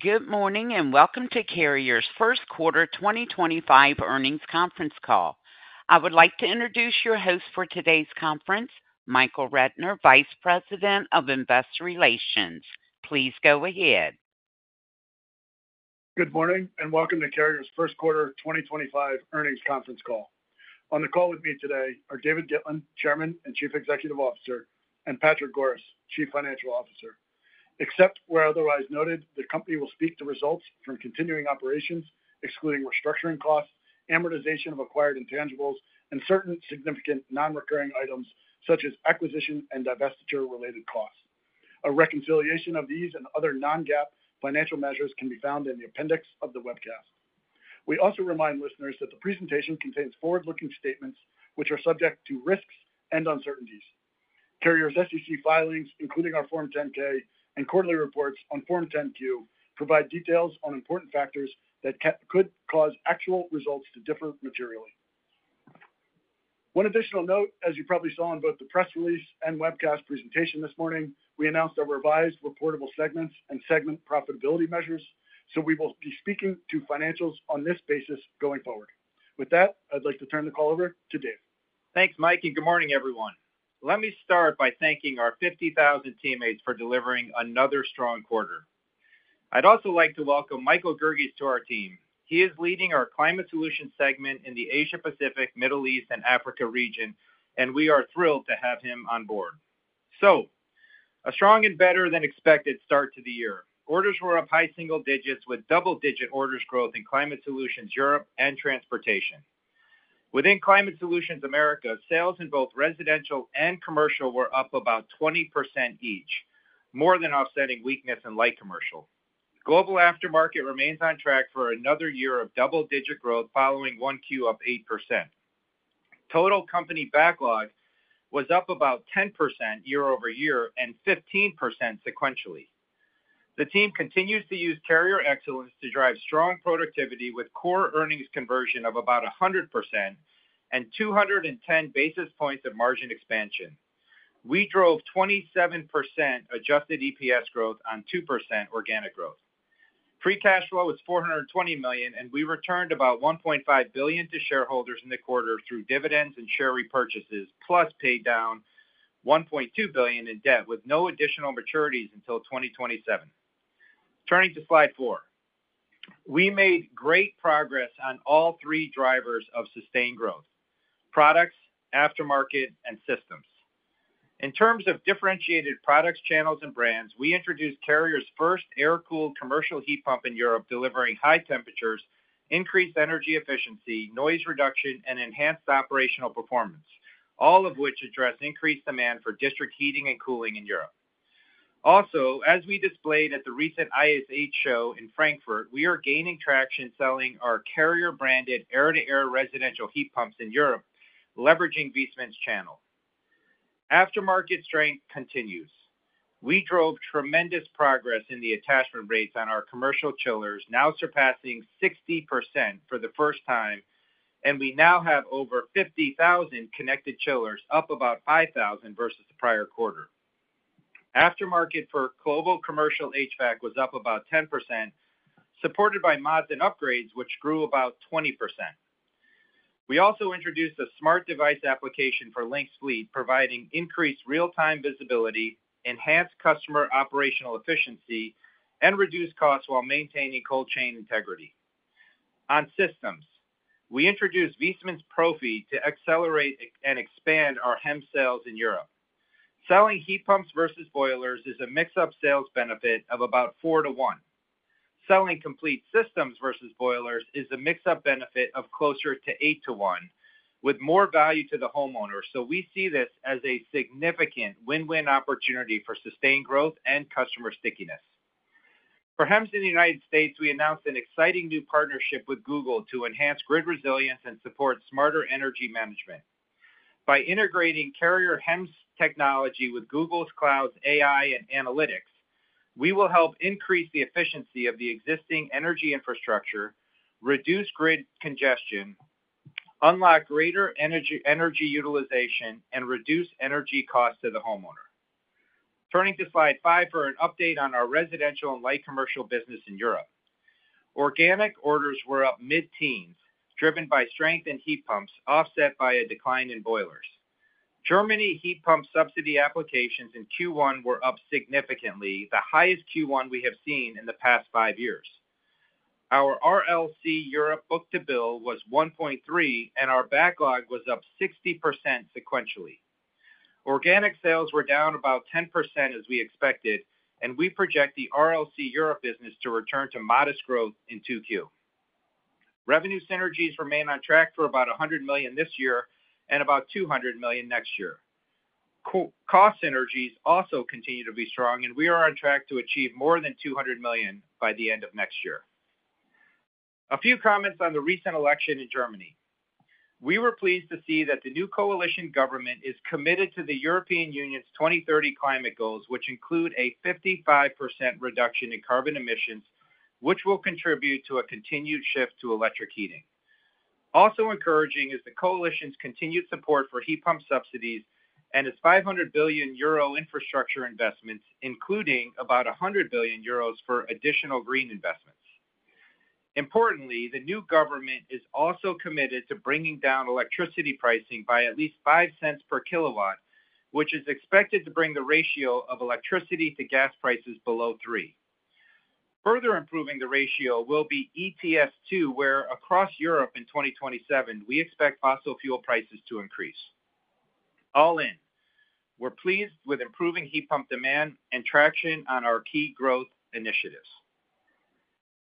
Good morning and welcome to Carrier's First Quarter 2025 Earnings Conference Call. I would like to introduce your host for today's conference, Michael Rednor, Vice President of Investor Relations. Please go ahead. Good morning and welcome to Carrier's First Quarter 2025 Earnings Conference Call. On the call with me today are David Gitlin, Chairman and Chief Executive Officer, and Patrick Goris, Chief Financial Officer. Except where otherwise noted, the company will speak to results from continuing operations, excluding restructuring costs, amortization of acquired intangibles, and certain significant non-recurring items such as acquisition and divestiture-related costs. A reconciliation of these and other non-GAAP financial measures can be found in the appendix of the webcast. We also remind listeners that the presentation contains forward-looking statements which are subject to risks and uncertainties. Carrier's SEC filings, including our Form 10-K and quarterly reports on Form 10-Q, provide details on important factors that could cause actual results to differ materially. One additional note, as you probably saw in both the press release and webcast presentation this morning, we announced our revised reportable segments and segment profitability measures, so we will be speaking to financials on this basis going forward. With that, I'd like to turn the call over to Dave. Thanks, Mike, and good morning, everyone. Let me start by thanking our 50,000 teammates for delivering another strong quarter. I'd also like to welcome Michael Gierges to our team. He is leading our Climate Solutions segment in the Asia-Pacific, Middle East, and Africa region, and we are thrilled to have him on board. A strong and better-than-expected start to the year. Orders were up high single digits with double-digit orders growth in Climate Solutions Europe and Transportation. Within Climate Solutions Americas, sales in both Residential and Commercial were up about 20% each, more than offsetting weakness in Light Commercial. Global aftermarket remains on track for another year of double-digit growth following Q1 up 8%. Total company backlog was up about 10% year-over-year and 15% sequentially. The team continues to use Carrier Excellence to drive strong productivity with core earnings conversion of about 100% and 210 basis points of margin expansion. We drove 27% Adjusted EPS growth on 2% organic growth. Free cash flow was $420 million, and we returned about $1.5 billion to shareholders in the quarter through dividends and share repurchases, plus paid down $1.2 billion in debt with no additional maturities until 2027. Turning to slide 4, we made great progress on all three drivers of sustained growth: products, aftermarket, and systems. In terms of differentiated products, channels, and brands, we introduced Carrier's first air-cooled commercial heat pump in Europe, delivering high temperatures, increased energy efficiency, noise reduction, and enhanced operational performance, all of which address increased demand for district heating and cooling in Europe. Also, as we displayed at the recent ISH show in Frankfurt, we are gaining traction selling our Carrier-branded air-to-air residential heat pumps in Europe, leveraging Viessmann's channel. Aftermarket strength continues. We drove tremendous progress in the attachment rates on our commercial chillers, now surpassing 60% for the first time, and we now have over 50,000 connected chillers, up about 5,000 versus the prior quarter. Aftermarket for global Commercial HVAC was up about 10%, supported by mods and upgrades, which grew about 20%. We also introduced a smart device application for Lynx Fleet, providing increased real-time visibility, enhanced customer operational efficiency, and reduced costs while maintaining cold chain integrity. On systems, we introduced Viessmann Profi to accelerate and expand our HEM sales in Europe. Selling heat pumps versus boilers mix-up sales benefit of about 4-1. Selling complete systems versus boilers mix-up benefit of closer to 8-1, with more value to the homeowner, so we see this as a significant win-win opportunity for sustained growth and customer stickiness. For HEMS in the United States, we announced an exciting new partnership with Google to enhance grid resilience and support smarter energy management. By integrating Carrier HEMS technology with Google Cloud's AI and analytics, we will help increase the efficiency of the existing energy infrastructure, reduce grid congestion, unlock greater energy utilization, and reduce energy costs to the homeowner. Turning to slide 5 for an update on our Residential and Light Commercial business in Europe. Organic orders were up mid-teens, driven by strength in heat pumps, offset by a decline in boilers. Germany heat pump subsidy applications in Q1 were up significantly, the highest Q1 we have seen in the past five years. Our RLC Europe book to bill was 1.3, and our backlog was up 60% sequentially. Organic sales were down about 10% as we expected, and we project the RLC Europe business to return to modest growth in 2Q. Revenue synergies remain on track for about $100 million this year and about $200 million next year. Cost synergies also continue to be strong, and we are on track to achieve more than $200 million by the end of next year. A few comments on the recent election in Germany. We were pleased to see that the new coalition government is committed to the European Union's 2030 climate goals, which include a 55% reduction in carbon emissions, which will contribute to a continued shift to electric heating. Also encouraging is the coalition's continued support for heat pump subsidies and its 500 billion euro infrastructure investments, including about 100 billion euros for additional green investments. Importantly, the new government is also committed to bringing down electricity pricing by at least $0.05 per kilowatt, which is expected to bring the ratio of electricity to gas prices below 3. Further improving the ratio will be ETS2, where across Europe in 2027, we expect fossil fuel prices to increase. All in, we're pleased with improving heat pump demand and traction on our key growth initiatives.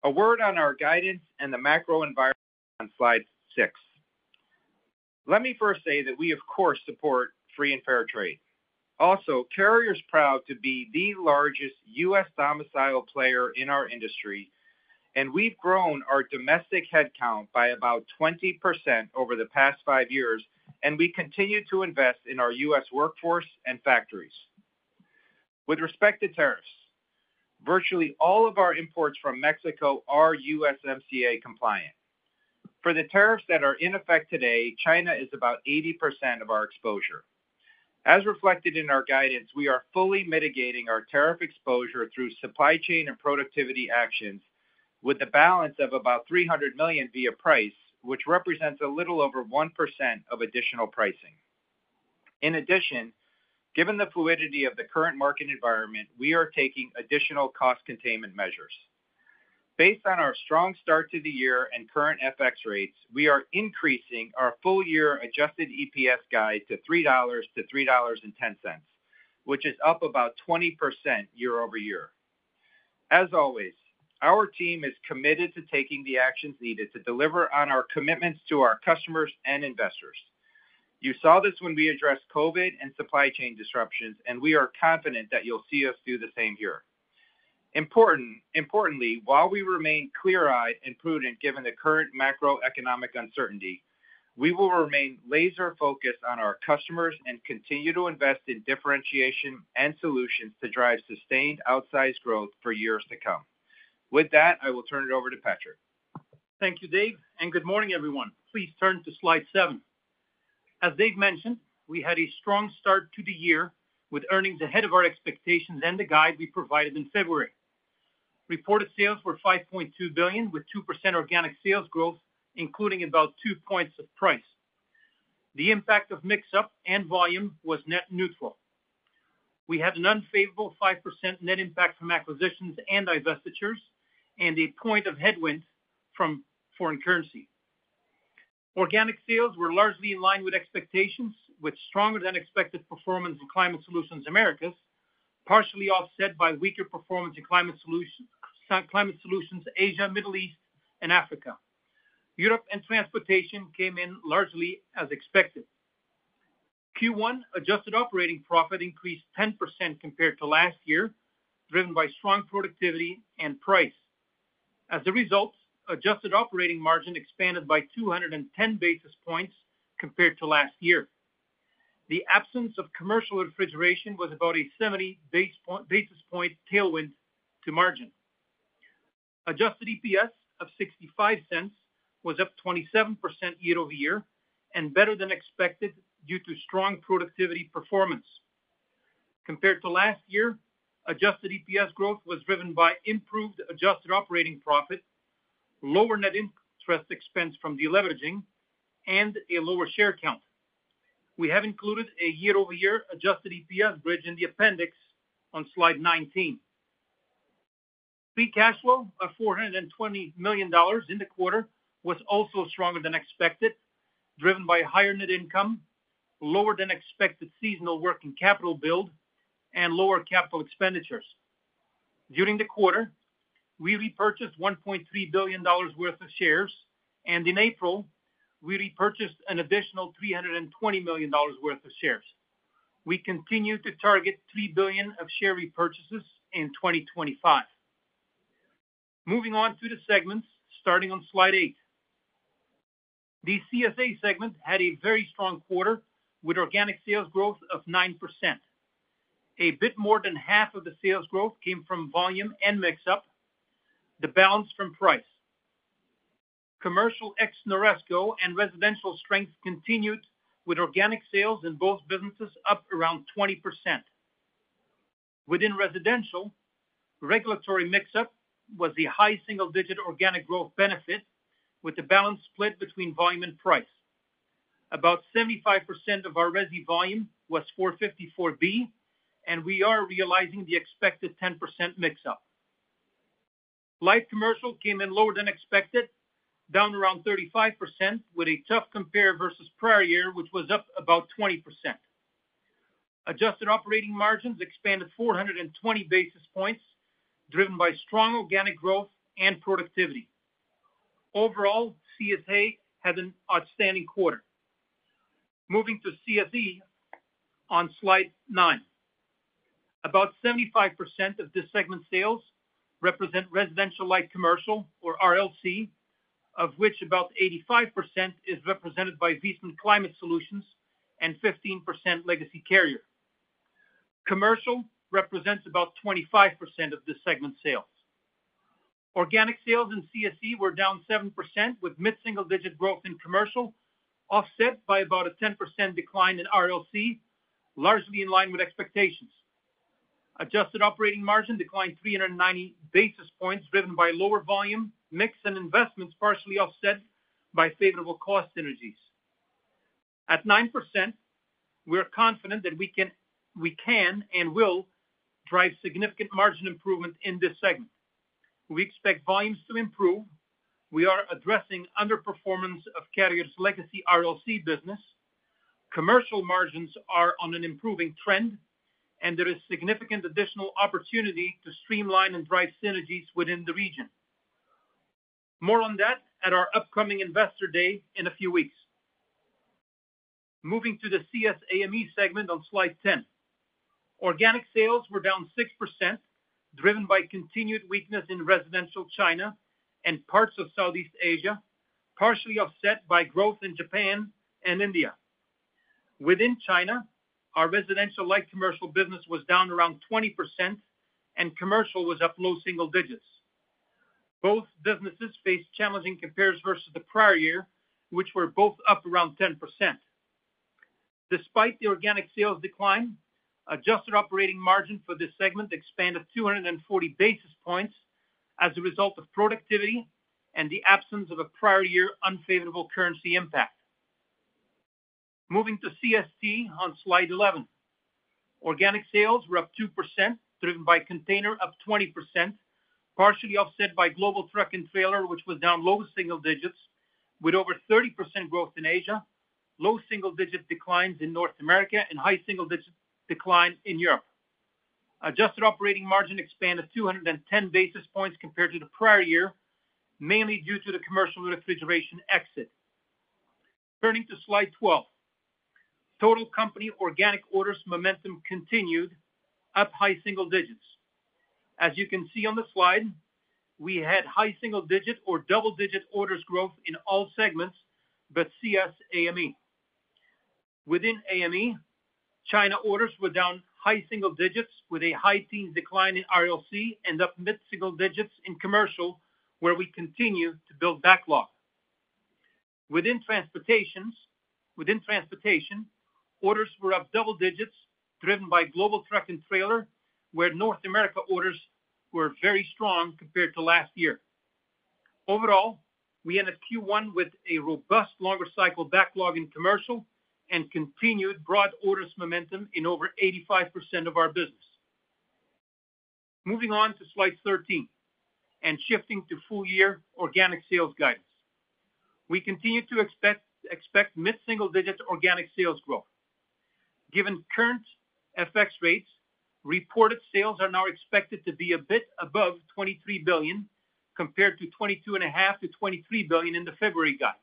A word on our guidance and the macro environment on slide six. Let me first say that we, of course, support free and fair trade. Also, Carrier is proud to be the largest US-domiciled player in our industry, and we've grown our domestic headcount by about 20% over the past five years, and we continue to invest in our U.S. workforce and factories. With respect to tariffs, virtually all of our imports from Mexico are USMCA-compliant. For the tariffs that are in effect today, China is about 80% of our exposure. As reflected in our guidance, we are fully mitigating our tariff exposure through supply chain and productivity actions with a balance of about $300 million via price, which represents a little over 1% of additional pricing. In addition, given the fluidity of the current market environment, we are taking additional cost containment measures. Based on our strong start to the year and current FX rates, we are increasing our full-year Adjusted EPS guide to $3-$3.10, which is up about 20% year-over-year. As always, our team is committed to taking the actions needed to deliver on our commitments to our customers and investors. You saw this when we addressed COVID and supply chain disruptions, and we are confident that you'll see us do the same here. Importantly, while we remain clear-eyed and prudent given the current macroeconomic uncertainty, we will remain laser-focused on our customers and continue to invest in differentiation and solutions to drive sustained outsized growth for years to come. With that, I will turn it over to Patrick. Thank you, Dave, and good morning, everyone. Please turn to slide seven. As Dave mentioned, we had a strong start to the year with earnings ahead of our expectations and the guide we provided in February. Reported Sales were $5.2 billion, with 2% organic sales growth, including about two points of price. The mix-up and volume was net neutral. We had an unfavorable 5% net impact from acquisitions and divestitures and a point of headwind from foreign currency. Organic sales were largely in line with expectations, with stronger-than-expected performance in Climate Solutions Americas, partially offset by weaker performance in Climate Solutions Asia, Middle East, and Africa. Europe and Transportation came in largely as expected. Q1 Adjusted Operating Profit increased 10% compared to last year, driven by strong productivity and price. As a result, Adjusted Operating Margin expanded by 210 basis points compared to last year. The absence of Commercial Refrigeration was about a 70 basis point tailwind to margin. Adjusted EPS of $0.65 was up 27% year-over-year and better than expected due to strong productivity performance. Compared to last year, Adjusted EPS growth was driven by improved Adjusted Operating Profit, lower net interest expense from deleveraging, and a lower share count. We have included a year-over-year Adjusted EPS bridge in the appendix on slide 19. Free cash flow of $420 million in the quarter was also stronger than expected, driven by higher net income, lower-than-expected seasonal working capital build, and lower capital expenditures. During the quarter, we repurchased $1.3 billion worth of shares, and in April, we repurchased an additional $320 million worth of shares. We continue to target $3 billion of share repurchases in 2025. Moving on to the segments, starting on slide 8. The CSA segment had a very strong quarter with organic sales growth of 9%. A bit more than half of the sales growth came from mix-up, the balance from price. Commercial ex-NORESCO and Residential strength continued, with organic sales in both businesses up around 20%. Within mix-up was the high single-digit organic growth benefit, with the balance split between volume and price. About 75% of our Resi volume was 454B, and we are realizing the mix-up. light commercial came in lower than expected, down around 35%, with a tough compare versus prior year, which was up about 20%. Adjusted Operating Margins expanded 420 basis points, driven by strong organic growth and productivity. Overall, CSA had an outstanding quarter. Moving to CSE on slide nine. About 75% of this segment sales represent Residential Light Commercial, or RLC, of which about 85% is represented by Viessmann Climate Solutions and 15% Legacy Carrier. Commercial represents about 25% of this segment sales. Organic sales in CSE were down 7%, with mid-single-digit growth in Commercial offset by about a 10% decline in RLC, largely in line with expectations. Adjusted Operating Margin declined 390 basis points, driven by lower volume, mix and investments partially offset by favorable cost synergies. At 9%, we are confident that we can and will drive significant margin improvement in this segment. We expect volumes to improve. We are addressing underperformance of Carrier's Legacy RLC business. Commercial margins are on an improving trend, and there is significant additional opportunity to streamline and drive synergies within the region. More on that at our upcoming investor day in a few weeks. Moving to the CSAME segment on slide 10. Organic sales were down 6%, driven by continued weakness in Residential China and parts of Southeast Asia, partially offset by growth in Japan and India. Within China, our Residential Light Commercial business was down around 20%, and Commercial was up low single digits. Both businesses faced challenging compares versus the prior year, which were both up around 10%. Despite the organic sales decline, Adjusted Operating Margin for this segment expanded 240 basis points as a result of productivity and the absence of a prior year unfavorable currency impact. Moving to CST on slide 11. Organic sales were up 2%, driven by container up 20%, partially offset by global truck and trailer, which was down low single digits, with over 30% growth in Asia, low single-digit declines in North America, and high single-digit decline in Europe. Adjusted Operating Margin expanded 210 basis points compared to the prior year, mainly due to the Commercial refrigeration exit. Turning to slide 12. Total company organic orders momentum continued, up high single digits. As you can see on the slide, we had high single-digit or double-digit orders growth in all segments but CSAME. Within AME, China orders were down high single digits, with a high teen decline in RLC and up mid-single digits in Commercial, where we continue to build backlog. Within Transportation, orders were up double digits, driven by global truck and trailer, where North America orders were very strong compared to last year. Overall, we ended Q1 with a robust longer cycle backlog in Commercial and continued broad orders momentum in over 85% of our business. Moving on to slide 13 and shifting to full-year organic sales guidance. We continue to expect mid-single-digit organic sales growth. Given current FX rates, Reported Sales are now expected to be a bit above $23 billion compared to $22.5-$23 billion in the February guide.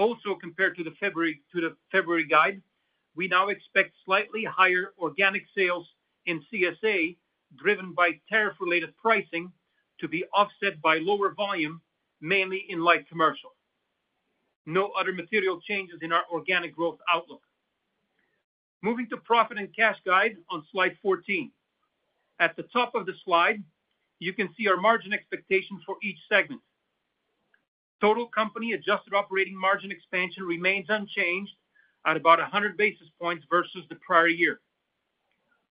Also, compared to the February guide, we now expect slightly higher organic sales in CSA, driven by tariff-related pricing, to be offset by lower volume, mainly in Light Commercial. No other material changes in our organic growth outlook. Moving to profit and cash guide on slide 14. At the top of the slide, you can see our margin expectation for each segment. Total company Adjusted Operating Margin expansion remains unchanged at about 100 basis points versus the prior year.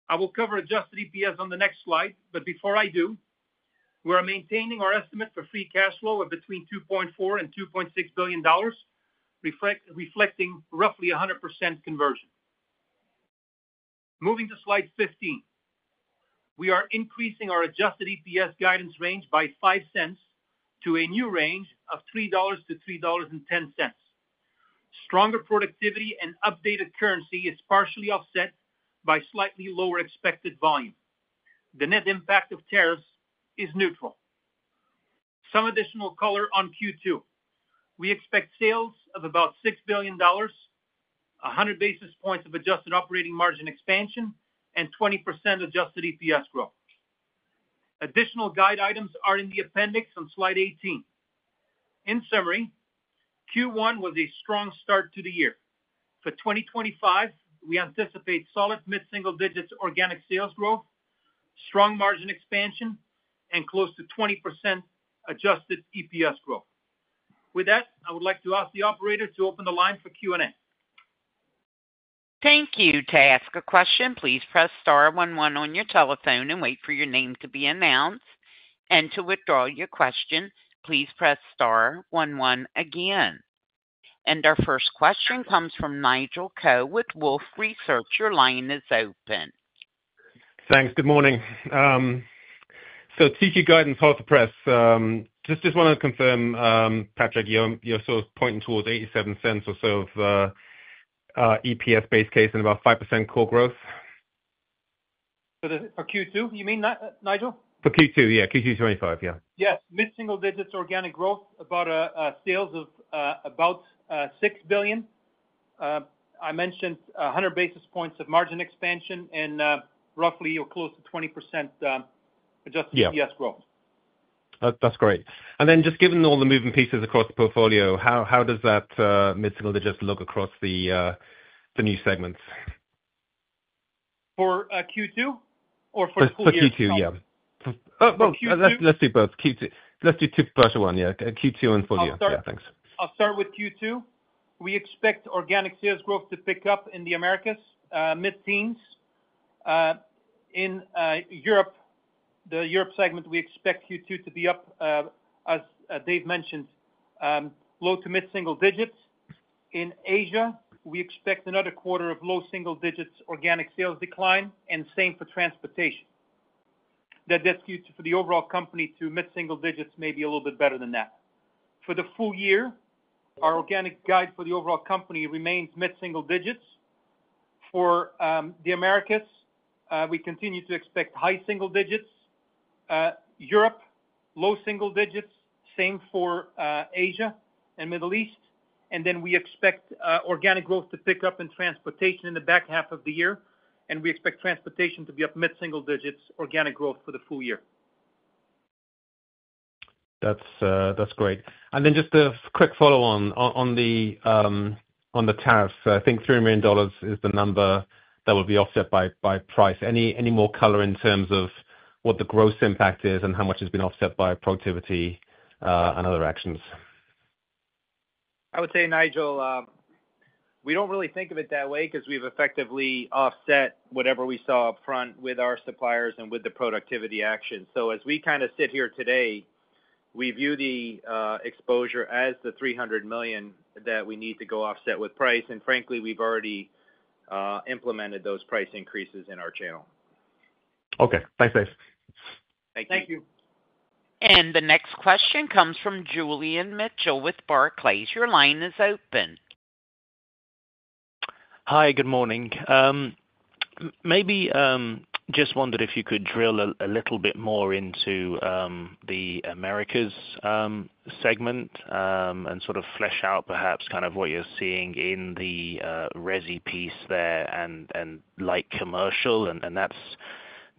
I will cover Adjusted EPS on the next slide, but before I do, we are maintaining our estimate for free cash flow of between $2.4 billion and $2.6 billion, reflecting roughly 100% conversion. Moving to slide 15. We are increasing our Adjusted EPS guidance range by $0.5 to a new range of $3-$3.10. Stronger productivity and updated currency is partially offset by slightly lower expected volume. The net impact of tariffs is neutral. Some additional color on Q2. We expect sales of about $6 billion, 100 basis points of Adjusted Operating Margin expansion, and 20% Adjusted EPS growth. Additional guide items are in the appendix on slide 18. In summary, Q1 was a strong start to the year. For 2025, we anticipate solid mid-single digit organic sales growth, strong margin expansion, and close to 20% Adjusted EPS growth. With that, I would like to ask the operator to open the line for Q&A. Thank you. To ask a question, please press star one one on your telephone and wait for your name to be announced. To withdraw your question, please press star one one again. Our first question comes from Nigel Coe with Wolfe Research. Your line is open. Thanks. Good morning. 2Q Guidance, hot off the press. Just want to confirm, Patrick, you're sort of pointing towards $0.87 or so of EPS base case and about 5% core growth. For Q2, you mean, Nigel? For Q2, yeah. Q2 2025, yeah. Yes. Mid-single digit organic growth, sales of about $6 billion. I mentioned 100 basis points of margin expansion and roughly close to 20% Adjusted EPS growth. Yeah. That's great. Just given all the moving pieces across the portfolio, how does that mid-single digit look across the new segments? For Q2 or for the full year? For Q2, yeah. Let's do both. Let's do two first ones, yeah. Q2 and full year. Oh, sorry. Yeah, thanks. I'll start with Q2. We expect organic sales growth to pick up in the Americas, mid-teens. In Europe, the Europe segment, we expect Q2 to be up, as Dave mentioned, low to mid-single digits. In Asia, we expect another quarter of low single digit organic sales decline, and same for Transportation. That destitute for the overall company to mid-single digits may be a little bit better than that. For the full year, our organic guide for the overall company remains mid-single digits. For the Americas, we continue to expect high single digits. Europe, low single digits, same for Asia and Middle East. We expect organic growth to pick up in Transportation in the back half of the year. We expect Transportation to be up mid-single digits, organic growth for the full year. That's great. Just a quick follow-on on the tariffs. I think $300 million is the number that will be offset by price. Any more color in terms of what the gross impact is and how much has been offset by productivity and other actions? I would say, Nigel, we do not really think of it that way because we have effectively offset whatever we saw upfront with our suppliers and with the productivity action. As we kind of sit here today, we view the exposure as the $300 million that we need to go offset with price. Frankly, we have already implemented those price increases in our channel. Okay. Thanks, Dave. Thank you. Thank you. The next question comes from Julian Mitchell with Barclays. Your line is open. Hi, good morning. Maybe just wondered if you could drill a little bit more into the Americas segment and sort of flesh out perhaps kind of what you're seeing in the Resi piece there and Light Commercial. That's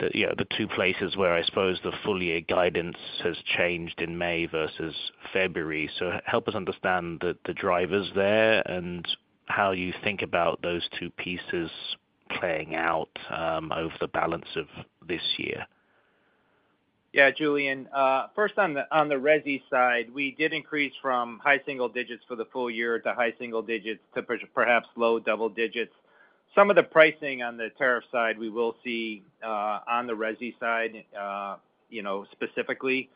the two places where I suppose the full-year guidance has changed in May versus February. Help us understand the drivers there and how you think about those two pieces playing out over the balance of this year. Yeah, Julian. First, on the Resi side, we did increase from high single digits for the full-year to high single digits to perhaps low double digits. Some of the pricing on the tariff side, we will see on the Resi side specifically.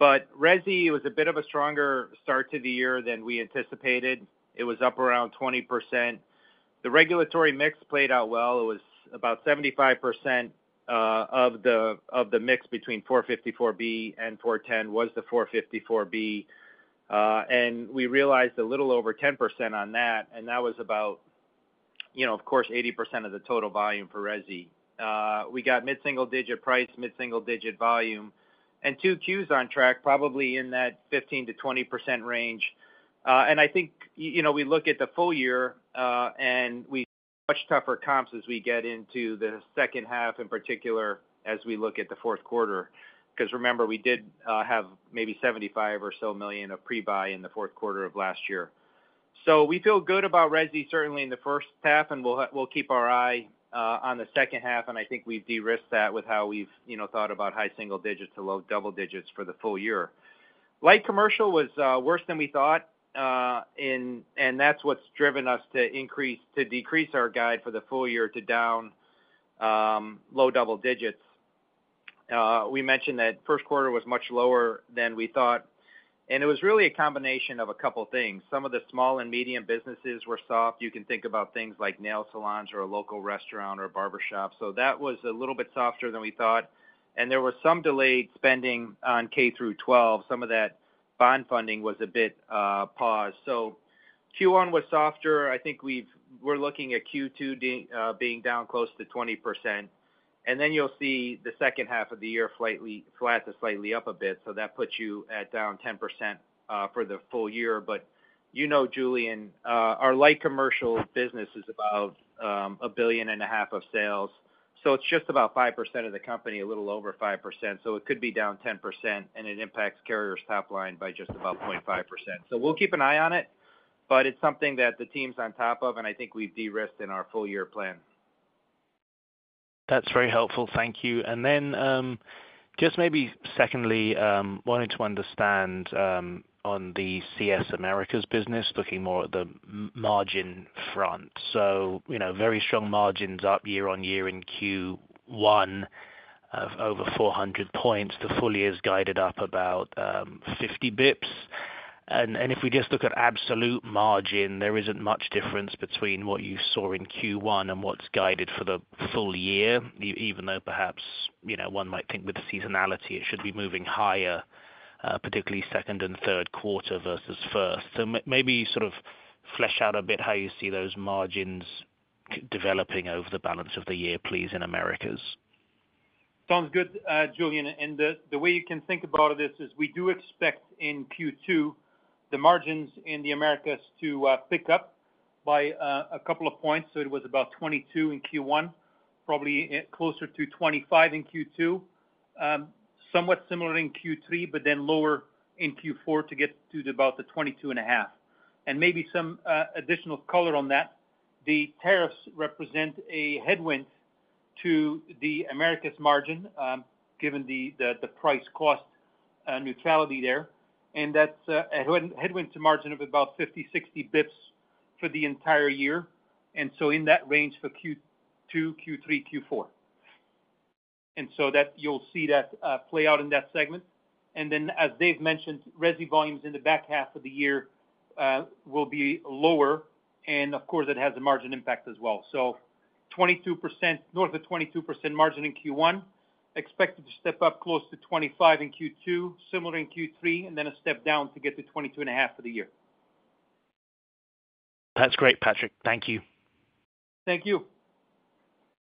Resi was a bit of a stronger start to the year than we anticipated. It was up around 20%. The regulatory mix played out well. It was about 75% of the mix between 454B and 410 was the 454B. We realized a little over 10% on that. That was about, of course, 80% of the total volume for Resi. We got mid-single digit price, mid-single digit volume, and two Qs on track, probably in that 15%-20% range. I think we look at the full year, and we have much tougher comps as we get into the second half in particular as we look at the fourth quarter. Remember, we did have maybe $75 million or so of pre-buy in the fourth quarter of last year. We feel good about Resi, certainly in the first half, and we'll keep our eye on the second half. I think we've de-risked that with how we've thought about high single digits to low double digits for the full year. Light Commercial was worse than we thought, and that's what's driven us to decrease our guide for the full year to down low double digits. We mentioned that first quarter was much lower than we thought. It was really a combination of a couple of things. Some of the small and medium businesses were soft. You can think about things like nail salons or a local restaurant or a barbershop. That was a little bit softer than we thought. There was some delayed spending on K-12. Some of that bond funding was a bit paused. Q1 was softer. I think we're looking at Q2 being down close to 20%. You will see the second half of the year flat to slightly up a bit. That puts you down 10% for the full year. You know, Julian, our Light Commercial business is about $1.5 billion of sales. It is just about 5% of the company, a little over 5%. It could be down 10%, and it impacts Carrier's top line by just about 0.5%. We'll keep an eye on it, but it's something that the team's on top of, and I think we've de-risked in our full-year plan. That's very helpful. Thank you. Just maybe secondly, wanting to understand on the CS Americas business, looking more at the margin front. Very strong margins up year on year in Q1 of over 400 basis points. The full year is guided up about 50 basis points. If we just look at absolute margin, there is not much difference between what you saw in Q1 and what is guided for the full year, even though perhaps one might think with seasonality it should be moving higher, particularly second and third quarter versus first. Maybe sort of flesh out a bit how you see those margins developing over the balance of the year, please, in Americas. Sounds good, Julian. The way you can think about this is we do expect in Q2 the margins in the Americas to pick up by a couple of points. It was about 22 in Q1, probably closer to 25 in Q2, somewhat similar in Q3, but then lower in Q4 to get to about the 22 and a half. Maybe some additional color on that. The tariffs represent a headwind to the Americas margin given the price-cost neutrality there. That is a headwind to margin of about 50-60 basis points for the entire year, and in that range for Q2, Q3, Q4. You will see that play out in that segment. As Dave mentioned, Resi volumes in the back half of the year will be lower. Of course, it has a margin impact as well. North of 22% margin in Q1, expected to step up close to 25% in Q2, similar in Q3, and then a step down to get to 22.5% for the year. That's great, Patrick. Thank you. Thank you.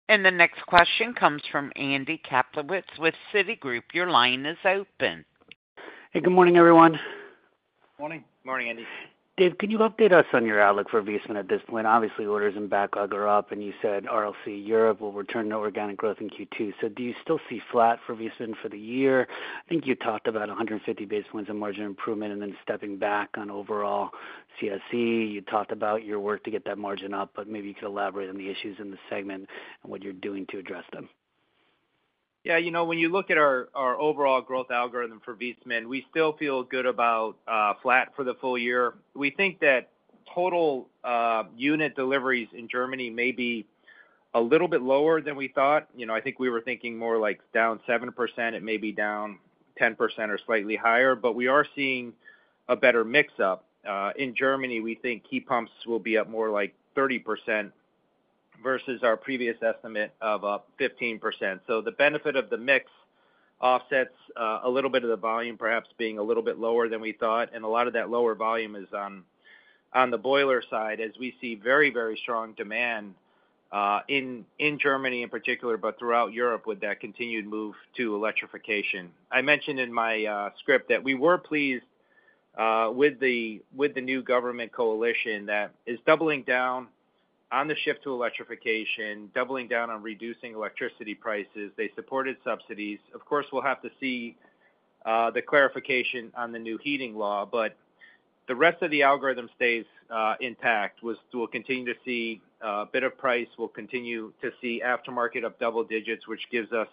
The next question comes from Andy Kaplowitz with Citigroup. Your line is open. Hey, good morning, everyone. Morning. Morning, Andy. Dave, can you update us on your outlook for Viessmann at this point? Obviously, orders in backlog are up, and you said RLC Europe will return to organic growth in Q2. Do you still see flat for Viessmann for the year? I think you talked about 150 basis points of margin improvement and then stepping back on overall CSE. You talked about your work to get that margin up, but maybe you could elaborate on the issues in the segment and what you're doing to address them. Yeah. When you look at our overall growth algorithm for Viessmann, we still feel good about flat for the full year. We think that total unit deliveries in Germany may be a little bit lower than we thought. I think we were thinking more like down 7%. It may be down 10% or slightly higher, but we are seeing a better mix-up. In Germany, we think heat pumps will be up more like 30% versus our previous estimate of 15%. The benefit of the mix offsets a little bit of the volume perhaps being a little bit lower than we thought. A lot of that lower volume is on the boiler side as we see very, very strong demand in Germany in particular, but throughout Europe with that continued move to electrification. I mentioned in my script that we were pleased with the new government coalition that is doubling down on the shift to electrification, doubling down on reducing electricity prices. They supported subsidies. Of course, we'll have to see the clarification on the new heating law, but the rest of the algorithm stays intact. We will continue to see a bit of price. We will continue to see aftermarket up double digits, which gives us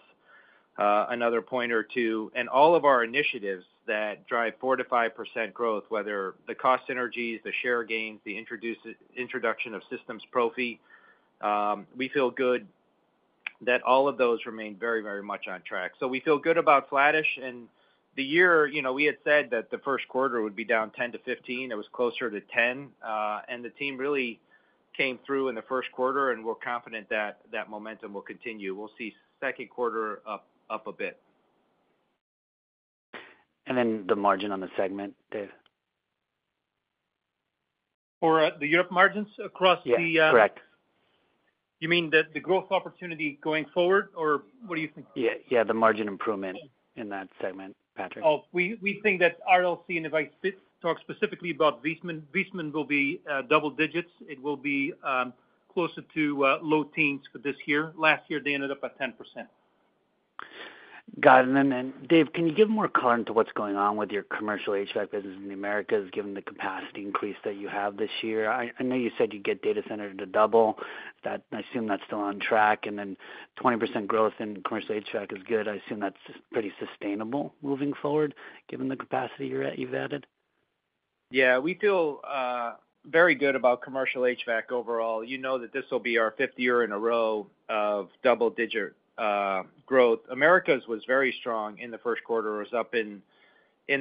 another point or two. All of our initiatives that drive 4%-5% growth, whether the cost synergies, the share gains, the introduction of systems Profi, we feel good that all of those remain very, very much on track. We feel good about flattish. In the year, we had said that the first quarter would be down 10%-15%. It was closer to 10%. The team really came through in the first quarter, and we're confident that that momentum will continue. We'll see second quarter up a bit. The margin on the segment, Dave? Or the Europe margins across the. Yeah, correct. You mean the growth opportunity going forward, or what do you think? Yeah, the margin improvement in that segment, Patrick. Oh, we think that RLC, and if I talk specifically about Viessmann, Viessmann will be double digits. It will be closer to low teens for this year. Last year, they ended up at 10%. Got it. Dave, can you give more color into what's going on with your Commercial HVAC business in the Americas given the capacity increase that you have this year? I know you said you get data centers to double. I assume that's still on track. 20% growth in Commercial HVAC is good. I assume that's pretty sustainable moving forward given the capacity you've added. Yeah. We feel very good about Commercial HVAC overall. You know that this will be our fifth year in a row of double-digit growth. Americas was very strong in the first quarter. It was up in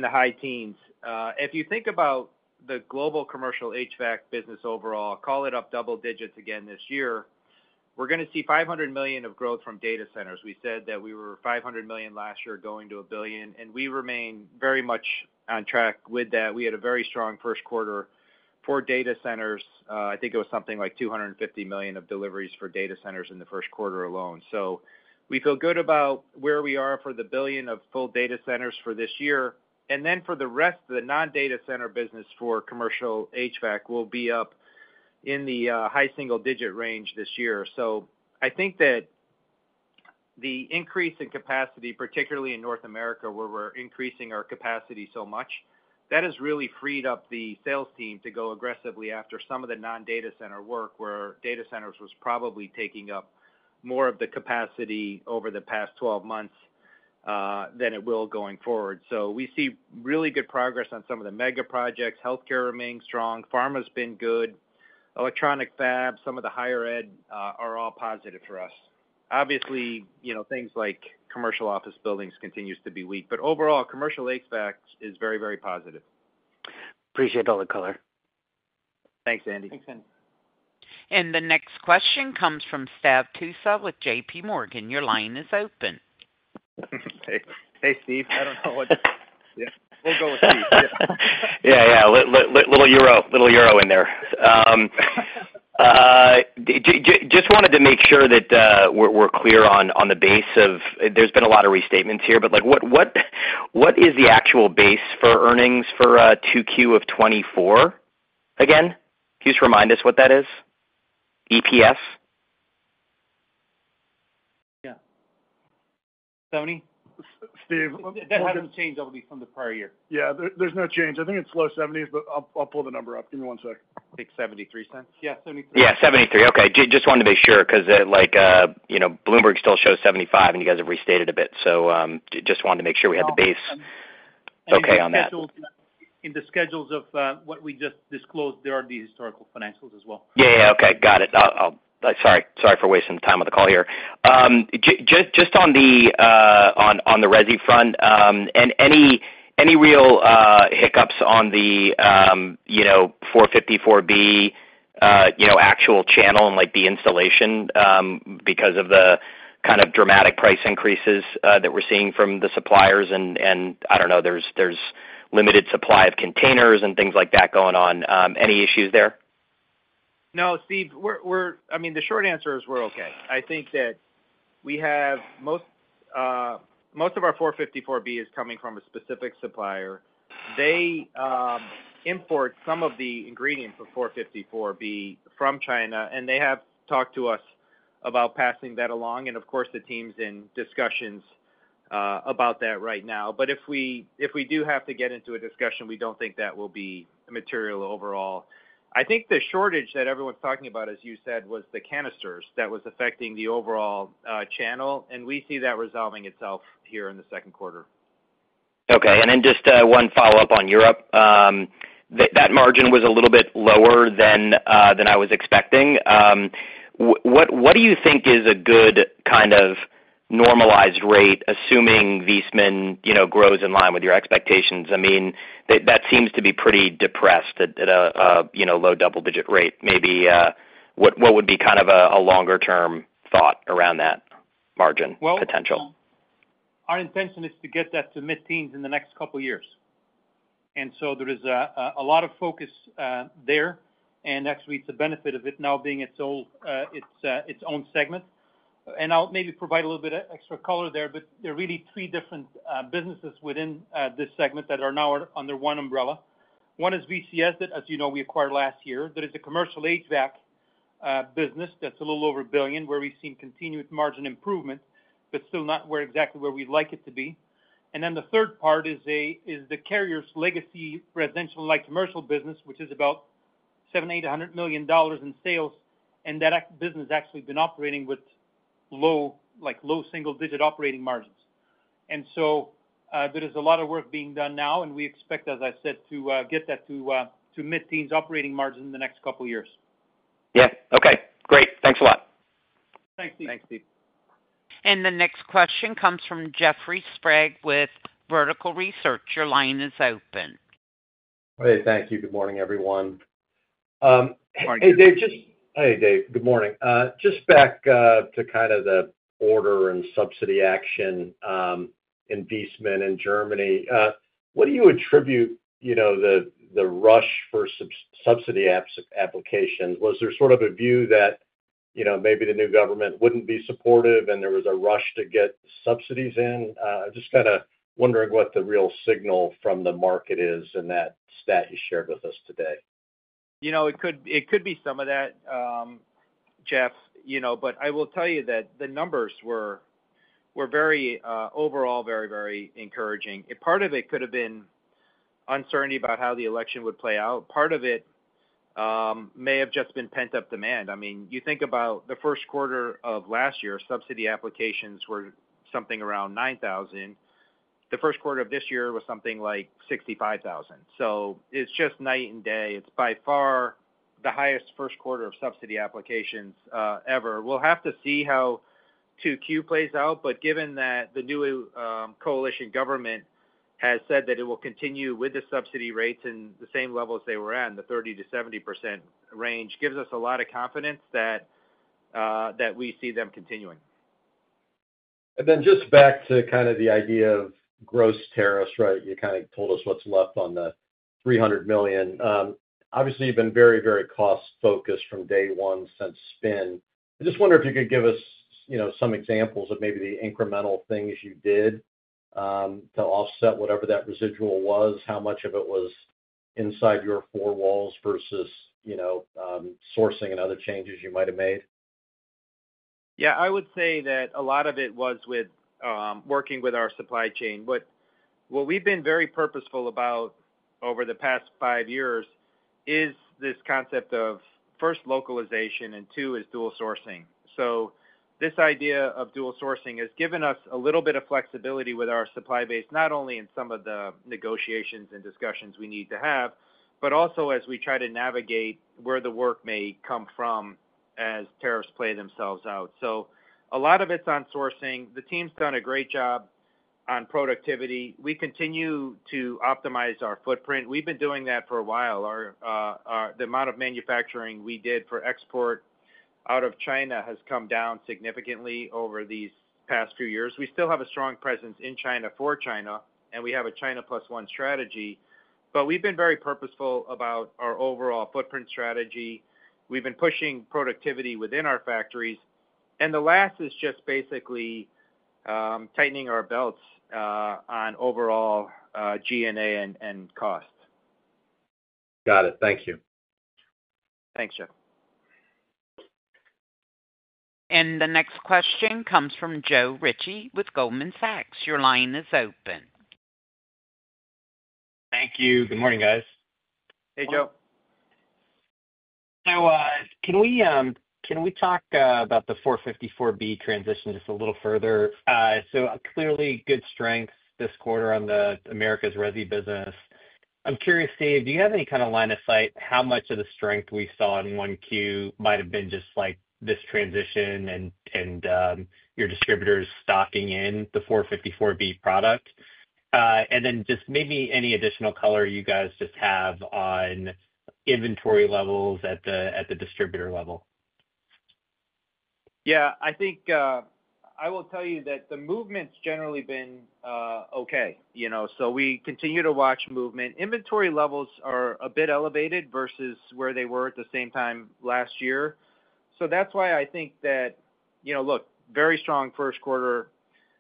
the high teens. If you think about the global Commercial HVAC business overall, call it up double digits again this year, we're going to see $500 million of growth from data centers. We said that we were $500 million last year going to $1 billion, and we remain very much on track with that. We had a very strong first quarter for data centers. I think it was something like $250 million of deliveries for data centers in the first quarter alone. We feel good about where we are for the $1 billion of full data centers for this year. For the rest, the non-data center business for Commercial HVAC will be up in the high single-digit range this year. I think that the increase in capacity, particularly in North America, where we're increasing our capacity so much, that has really freed up the sales team to go aggressively after some of the non-data center work where data centers was probably taking up more of the capacity over the past 12 months than it will going forward. We see really good progress on some of the mega projects. Healthcare remains strong. Pharma's been good. Electronic fabs, some of the higher ed are all positive for us. Obviously, things like Commercial Office Buildings continue to be weak. Overall, Commercial HVAC is very, very positive. Appreciate all the color. Thanks, Andy. Thanks, Andy. The next question comes from Steve Tusa with JPMorgan. Your line is open. Hey, Steve. I don't know what to—yeah, we'll go with Steve. Yeah, yeah. Little Euro in there. Just wanted to make sure that we're clear on the base of—there's been a lot of restatements here, but what is the actual base for earnings for 2Q of 2024 again? Can you just remind us what that is? EPS? Yeah. Sorry. Steve. That hasn't changed obviously from the prior year. Yeah, there's no change. I think it's low 70s, but I'll pull the number up. Give me one sec. I think $0.73. Yeah, $0.73. Yeah, $0.73. Okay. Just wanted to be sure because Bloomberg still shows $0.75, and you guys have restated a bit. Just wanted to make sure we had the base okay on that. In the schedules of what we just disclosed, there are the historical financials as well. Yeah, yeah. Okay. Got it. Sorry for wasting the time on the call here. Just on the Resi front, any real hiccups on the 454B actual channel and the installation because of the kind of dramatic price increases that we're seeing from the suppliers? I don't know, there's limited supply of containers and things like that going on. Any issues there? No, Steve. I mean, the short answer is we're okay. I think that most of our 454B is coming from a specific supplier. They import some of the ingredients of 454B from China, and they have talked to us about passing that along. Of course, the team's in discussions about that right now. If we do have to get into a discussion, we don't think that will be material overall. I think the shortage that everyone's talking about, as you said, was the canisters that was affecting the overall channel. We see that resolving itself here in the second quarter. Okay. Just one follow-up on Europe. That margin was a little bit lower than I was expecting. What do you think is a good kind of normalized rate, assuming Viessmann grows in line with your expectations? I mean, that seems to be pretty depressed at a low double-digit rate. Maybe what would be kind of a longer-term thought around that margin potential? Our intention is to get that to mid-teens in the next couple of years. There is a lot of focus there. Actually, it is a benefit of it now being its own segment. I'll maybe provide a little bit of extra color there, but there are really three different businesses within this segment that are now under one umbrella. One is Viessmann Climate Solutions that, as you know, we acquired last year. There is a Commercial HVAC business that is a little over $1 billion where we've seen continued margin improvement, but still not exactly where we'd like it to be. The third part is Carrier's Legacy Residential and Light Commercial Business, which is about $700 million-$800 million in sales. That business has actually been operating with low single-digit operating margins. There is a lot of work being done now, and we expect, as I said, to get that to mid-teens operating margin in the next couple of years. Yeah. Okay. Great. Thanks a lot. Thanks, Steve. Thanks, Steve. The next question comes from Jeffrey Sprague with Vertical Research. Your line is open. Hey, thank you. Good morning, everyone. Morning. Hey, Dave. Good morning. Just back to kind of the order and subsidy action in Viessmann in Germany, what do you attribute the rush for subsidy applications? Was there sort of a view that maybe the new government would not be supportive and there was a rush to get subsidies in? I'm just kind of wondering what the real signal from the market is in that stat you shared with us today. It could be some of that, Jeff, but I will tell you that the numbers were overall very, very encouraging. Part of it could have been uncertainty about how the election would play out. Part of it may have just been pent-up demand. I mean, you think about the first quarter of last year, subsidy applications were something around 9,000. The first quarter of this year was something like 65,000. It is just night and day. It is by far the highest first quarter of subsidy applications ever. We will have to see how Q2 plays out, but given that the new coalition government has said that it will continue with the subsidy rates and the same levels they were at, the 30%-70% range, gives us a lot of confidence that we see them continuing. Just back to kind of the idea of gross tariffs, right? You kind of told us what's left on the $300 million. Obviously, you've been very, very cost-focused from day one since SPIN. I just wonder if you could give us some examples of maybe the incremental things you did to offset whatever that residual was, how much of it was inside your four walls versus sourcing and other changes you might have made. Yeah. I would say that a lot of it was with working with our supply chain. What we've been very purposeful about over the past five years is this concept of, first, localization, and two, is dual sourcing. This idea of dual sourcing has given us a little bit of flexibility with our supply base, not only in some of the negotiations and discussions we need to have, but also as we try to navigate where the work may come from as tariffs play themselves out. A lot of it's on sourcing. The team's done a great job on productivity. We continue to optimize our footprint. We've been doing that for a while. The amount of manufacturing we did for export out of China has come down significantly over these past few years. We still have a strong presence in China for China, and we have a China plus one strategy. We have been very purposeful about our overall footprint strategy. We have been pushing productivity within our factories. The last is just basically tightening our belts on overall G&A and cost. Got it. Thank you. Thanks, Jeff. The next question comes from Joe Ritchie with Goldman Sachs. Your line is open. Thank you. Good morning, guys. Hey, Joe. Can we talk about the 454B transition just a little further? Clearly, good strength this quarter on America's Resi business. I'm curious, Dave, do you have any kind of line of sight how much of the strength we saw in 1Q might have been just this transition and your distributors stocking in the 454B product? Maybe any additional color you guys have on inventory levels at the distributor level. Yeah. I will tell you that the movement's generally been okay. We continue to watch movement. Inventory levels are a bit elevated versus where they were at the same time last year. That's why I think that, look, very strong first quarter,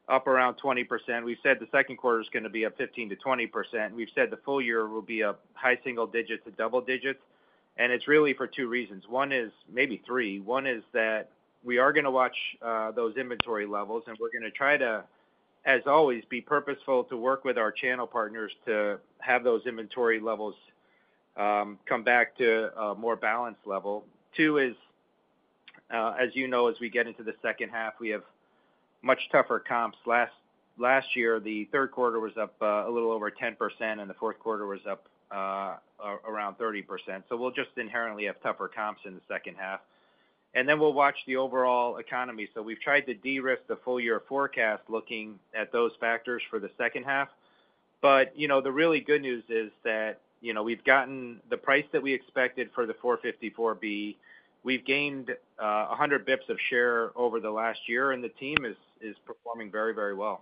up around 20%. We've said the second quarter is going to be a 15%-20%. We've said the full year will be a high single digit to double digit. It's really for two reasons. One is, maybe three. One is that we are going to watch those inventory levels, and we're going to try to, as always, be purposeful to work with our channel partners to have those inventory levels come back to a more balanced level. Two is, as you know, as we get into the second half, we have much tougher comps. Last year, the third quarter was up a little over 10%, and the fourth quarter was up around 30%. We will just inherently have tougher comps in the second half. We will watch the overall economy. We have tried to de-risk the full-year forecast looking at those factors for the second half. The really good news is that we have gotten the price that we expected for the 454B. We have gained 100 basis points of share over the last year, and the team is performing very, very well.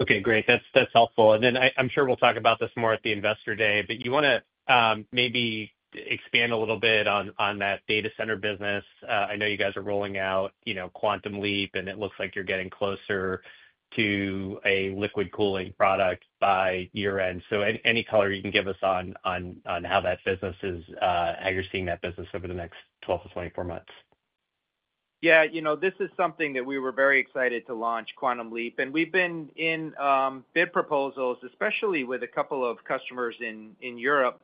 Okay. Great. That's helpful. I'm sure we'll talk about this more at the investor day, but you want to maybe expand a little bit on that data center business. I know you guys are rolling out Quantum Leap, and it looks like you're getting closer to a liquid cooling product by year-end. Any color you can give us on how that business is, how you're seeing that business over the next 12-24 months. Yeah. This is something that we were very excited to launch, Quantum Leap. We have been in bid proposals, especially with a couple of customers in Europe,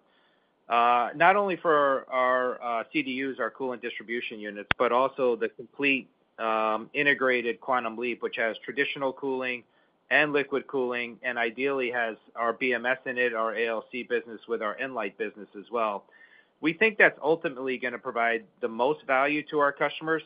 not only for our CDUs, our coolant distribution units, but also the complete integrated Quantum Leap, which has traditional cooling and liquid cooling, and ideally has our BMS in it, our ALC business with our Nlyte business as well. We think that is ultimately going to provide the most value to our customers.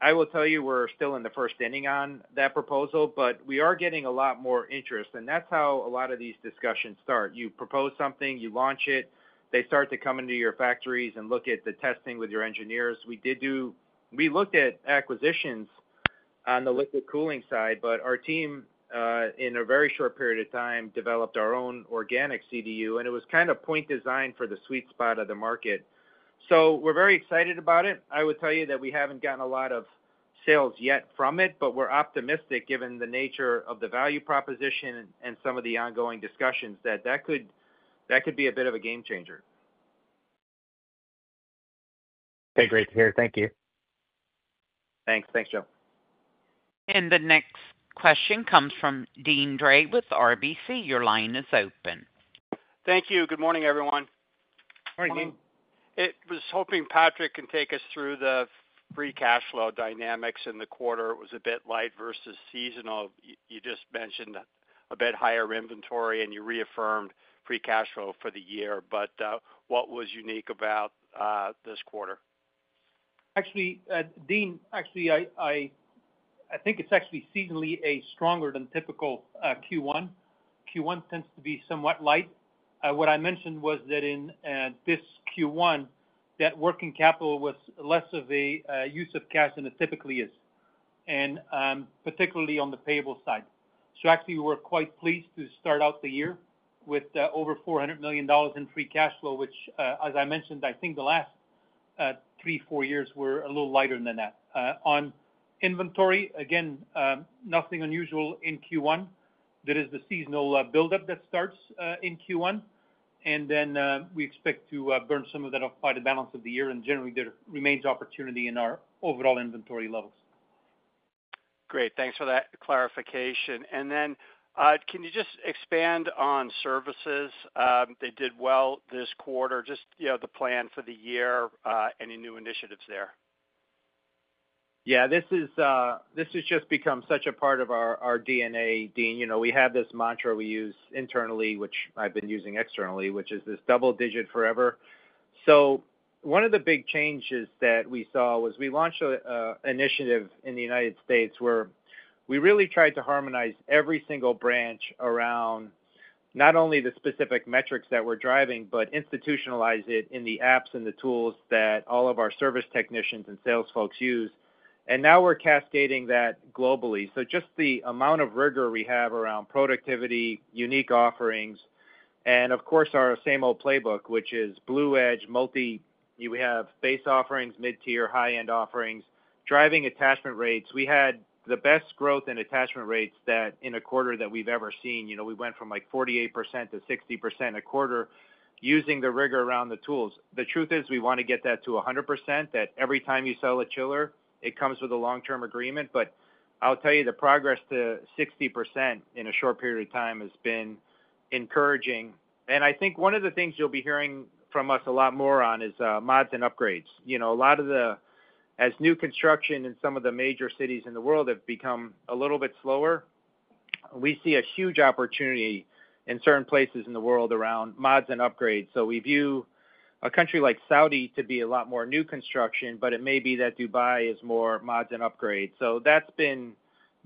I will tell you, we are still in the first inning on that proposal, but we are getting a lot more interest. That is how a lot of these discussions start. You propose something, you launch it, they start to come into your factories and look at the testing with your engineers. We looked at acquisitions on the liquid cooling side, but our team, in a very short period of time, developed our own organic CDU, and it was kind of point designed for the sweet spot of the market. We are very excited about it. I would tell you that we have not gotten a lot of sales yet from it, but we are optimistic given the nature of the value proposition and some of the ongoing discussions that that could be a bit of a game changer. Okay. Great to hear. Thank you. Thanks. Thanks, Joe. The next question comes from Deane Dray with RBC. Your line is open. Thank you. Good morning, everyone. Morning, Deane. I was hoping Patrick can take us through the free cash flow dynamics in the quarter. It was a bit light versus seasonal. You just mentioned a bit higher inventory, and you reaffirmed free cash flow for the year. What was unique about this quarter? Actually, Deane, actually, I think it's actually seasonally a stronger than typical Q1. Q1 tends to be somewhat light. What I mentioned was that in this Q1, that working capital was less of a use of cash than it typically is, and particularly on the payable side. Actually, we were quite pleased to start out the year with over $400 million in free cash flow, which, as I mentioned, I think the last three, four years were a little lighter than that. On inventory, again, nothing unusual in Q1. There is the seasonal buildup that starts in Q1, and then we expect to burn some of that off by the balance of the year. Generally, there remains opportunity in our overall inventory levels. Great. Thanks for that clarification. Can you just expand on services? They did well this quarter. Just the plan for the year, any new initiatives there? Yeah. This has just become such a part of our DNA, Deane. We have this mantra we use internally, which I've been using externally, which is this double-digit forever. One of the big changes that we saw was we launched an initiative in the United States where we really tried to harmonize every single branch around not only the specific metrics that we're driving, but institutionalize it in the apps and the tools that all of our service technicians and sales folks use. Now we're cascading that globally. Just the amount of rigor we have around productivity, unique offerings, and of course, our same old playbook, which is BluEdge, multi—we have base offerings, mid-tier, high-end offerings, driving attachment rates. We had the best growth in attachment rates in a quarter that we've ever seen. We went from like 48%-60% a quarter using the rigor around the tools. The truth is we want to get that to 100%, that every time you sell a chiller, it comes with a long-term agreement. I'll tell you, the progress to 60% in a short period of time has been encouraging. I think one of the things you'll be hearing from us a lot more on is mods and upgrades. A lot of the—as new construction in some of the major cities in the world have become a little bit slower, we see a huge opportunity in certain places in the world around mods and upgrades. We view a country like Saudi to be a lot more new construction, but it may be that Dubai is more mods and upgrades. That has been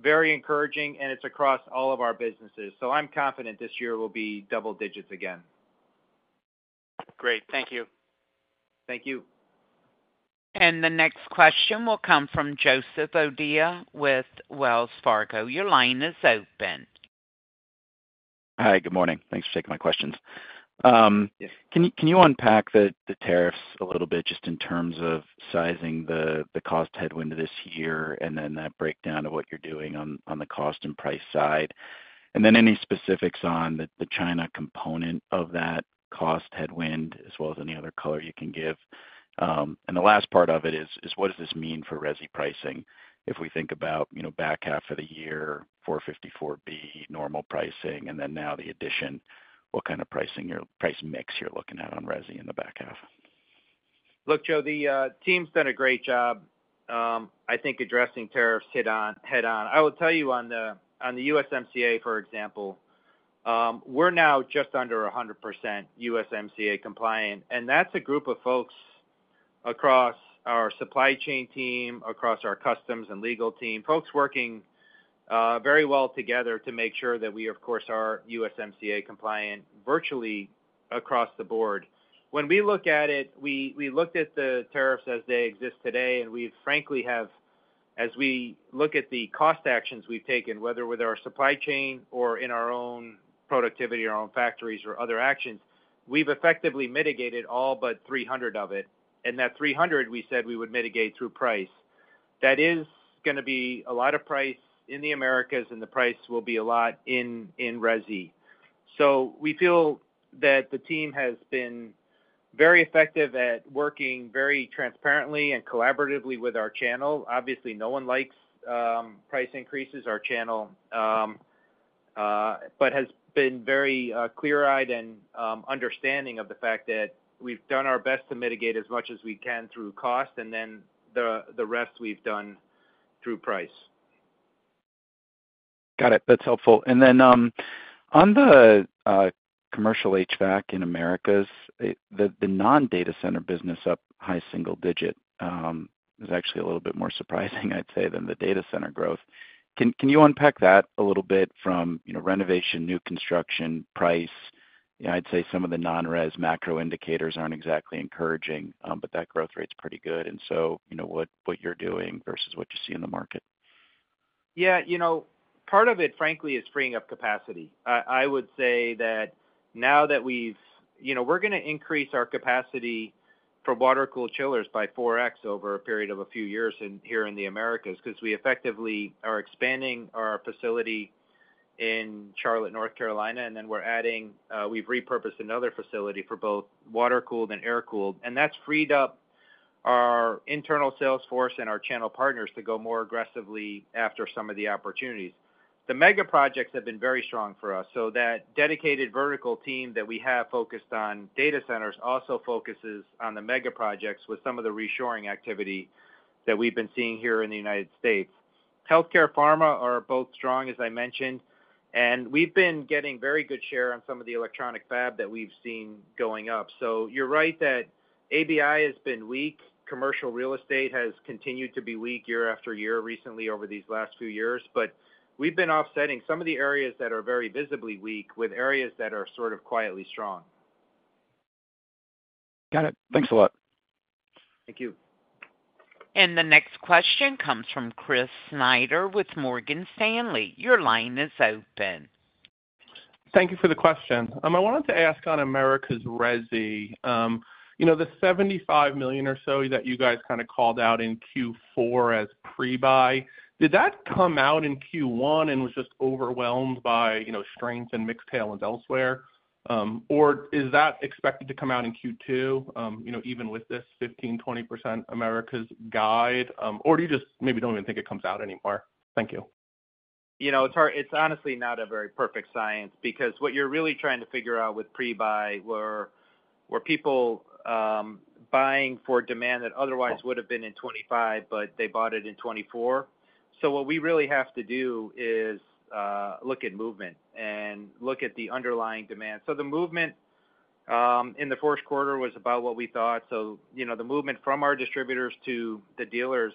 very encouraging, and it's across all of our businesses. I'm confident this year will be double digits again. Great. Thank you. Thank you. The next question will come from Joseph O'Dea with Wells Fargo. Your line is open. Hi. Good morning. Thanks for taking my questions. Can you unpack the tariffs a little bit just in terms of sizing the cost headwind this year and then that breakdown of what you're doing on the cost and price side? Any specifics on the China component of that cost headwind, as well as any other color you can give? The last part of it is, what does this mean for Resi pricing? If we think about back half of the year, 454B, normal pricing, and then now the addition, what kind of pricing or price mix you're looking at on Resi in the back half? Look, Joe, the team's done a great job, I think, addressing tariffs head-on. I will tell you, on the USMCA, for example, we're now just under 100% USMCA compliant and that's a group of folks across our supply chain team, across our customs and legal team, folks working very well together to make sure that we, of course, are USMCA compliant virtually across the board. When we look at it, we looked at the tariffs as they exist today, and we frankly have, as we look at the cost actions we've taken, whether with our supply chain or in our own productivity, our own factories, or other actions, we've effectively mitigated all but 300 of it and that 300, we said we would mitigate through price. That is going to be a lot of price in the Americas, and the price will be a lot in Resi. We feel that the team has been very effective at working very transparently and collaboratively with our channel. Obviously, no one likes price increases. Our channel has been very clear-eyed and understanding of the fact that we've done our best to mitigate as much as we can through cost, and then the rest we've done through price. Got it. That's helpful. Then on the Commercial HVAC in Americas, the non-data center business up high single digit is actually a little bit more surprising, I'd say, than the data center growth. Can you unpack that a little bit from renovation, new construction, price? I'd say some of the non-res macro indicators aren't exactly encouraging, but that growth rate's pretty good. What you're doing versus what you see in the market? Yeah. Part of it, frankly, is freeing up capacity. I would say that now that we've—we're going to increase our capacity for water-cooled chillers by 4x over a period of a few years here in the Americas because we effectively are expanding our facility in Charlotte, North Carolina, and then we're adding—we've repurposed another facility for both water-cooled and air-cooled. That's freed up our internal salesforce and our channel partners to go more aggressively after some of the opportunities. The mega projects have been very strong for us. That dedicated vertical team that we have focused on data centers also focuses on the mega projects with some of the reshoring activity that we've been seeing here in the United States. Healthcare Pharma are both strong, as I mentioned, and we've been getting very good share on some of the electronic fab that we've seen going up. You are right that ABI has been weak. Commercial Real Estate has continued to be weak year after year recently over these last few years, but we have been offsetting some of the areas that are very visibly weak with areas that are sort of quietly strong. Got it. Thanks a lot. Thank you. The next question comes from Chris Snyder with Morgan Stanley. Your line is open. Thank you for the question. I wanted to ask on Americas Resi. The $75 million or so that you guys kind of called out in Q4 as pre-buy, did that come out in Q1, and was just overwhelmed by strength and mixed tailwinds elsewhere? Or is that expected to come out in Q2, even with this 15%-20% Americas guide? Or do you just maybe do not even think it comes out anymore? Thank you. It's honestly not a very perfect science because what you're really trying to figure out with pre-buy were people buying for demand that otherwise would have been in 2025, but they bought it in 2024. What we really have to do is look at movement and look at the underlying demand. The movement in the fourth quarter was about what we thought. The movement from our distributors to the dealers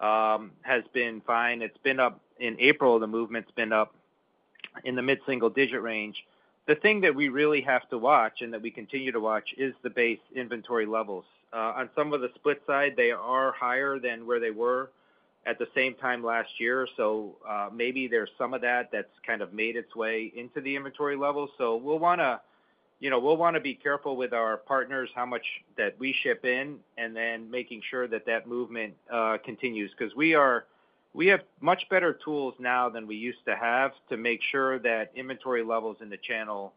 has been fine. In April, the movement's been up in the mid-single digit range. The thing that we really have to watch and that we continue to watch is the base inventory levels. On some of the split side, they are higher than where they were at the same time last year. Maybe there's some of that that's kind of made its way into the inventory levels. We will want to be careful with our partners how much that we ship in and then making sure that that movement continues because we have much better tools now than we used to have to make sure that inventory levels in the channel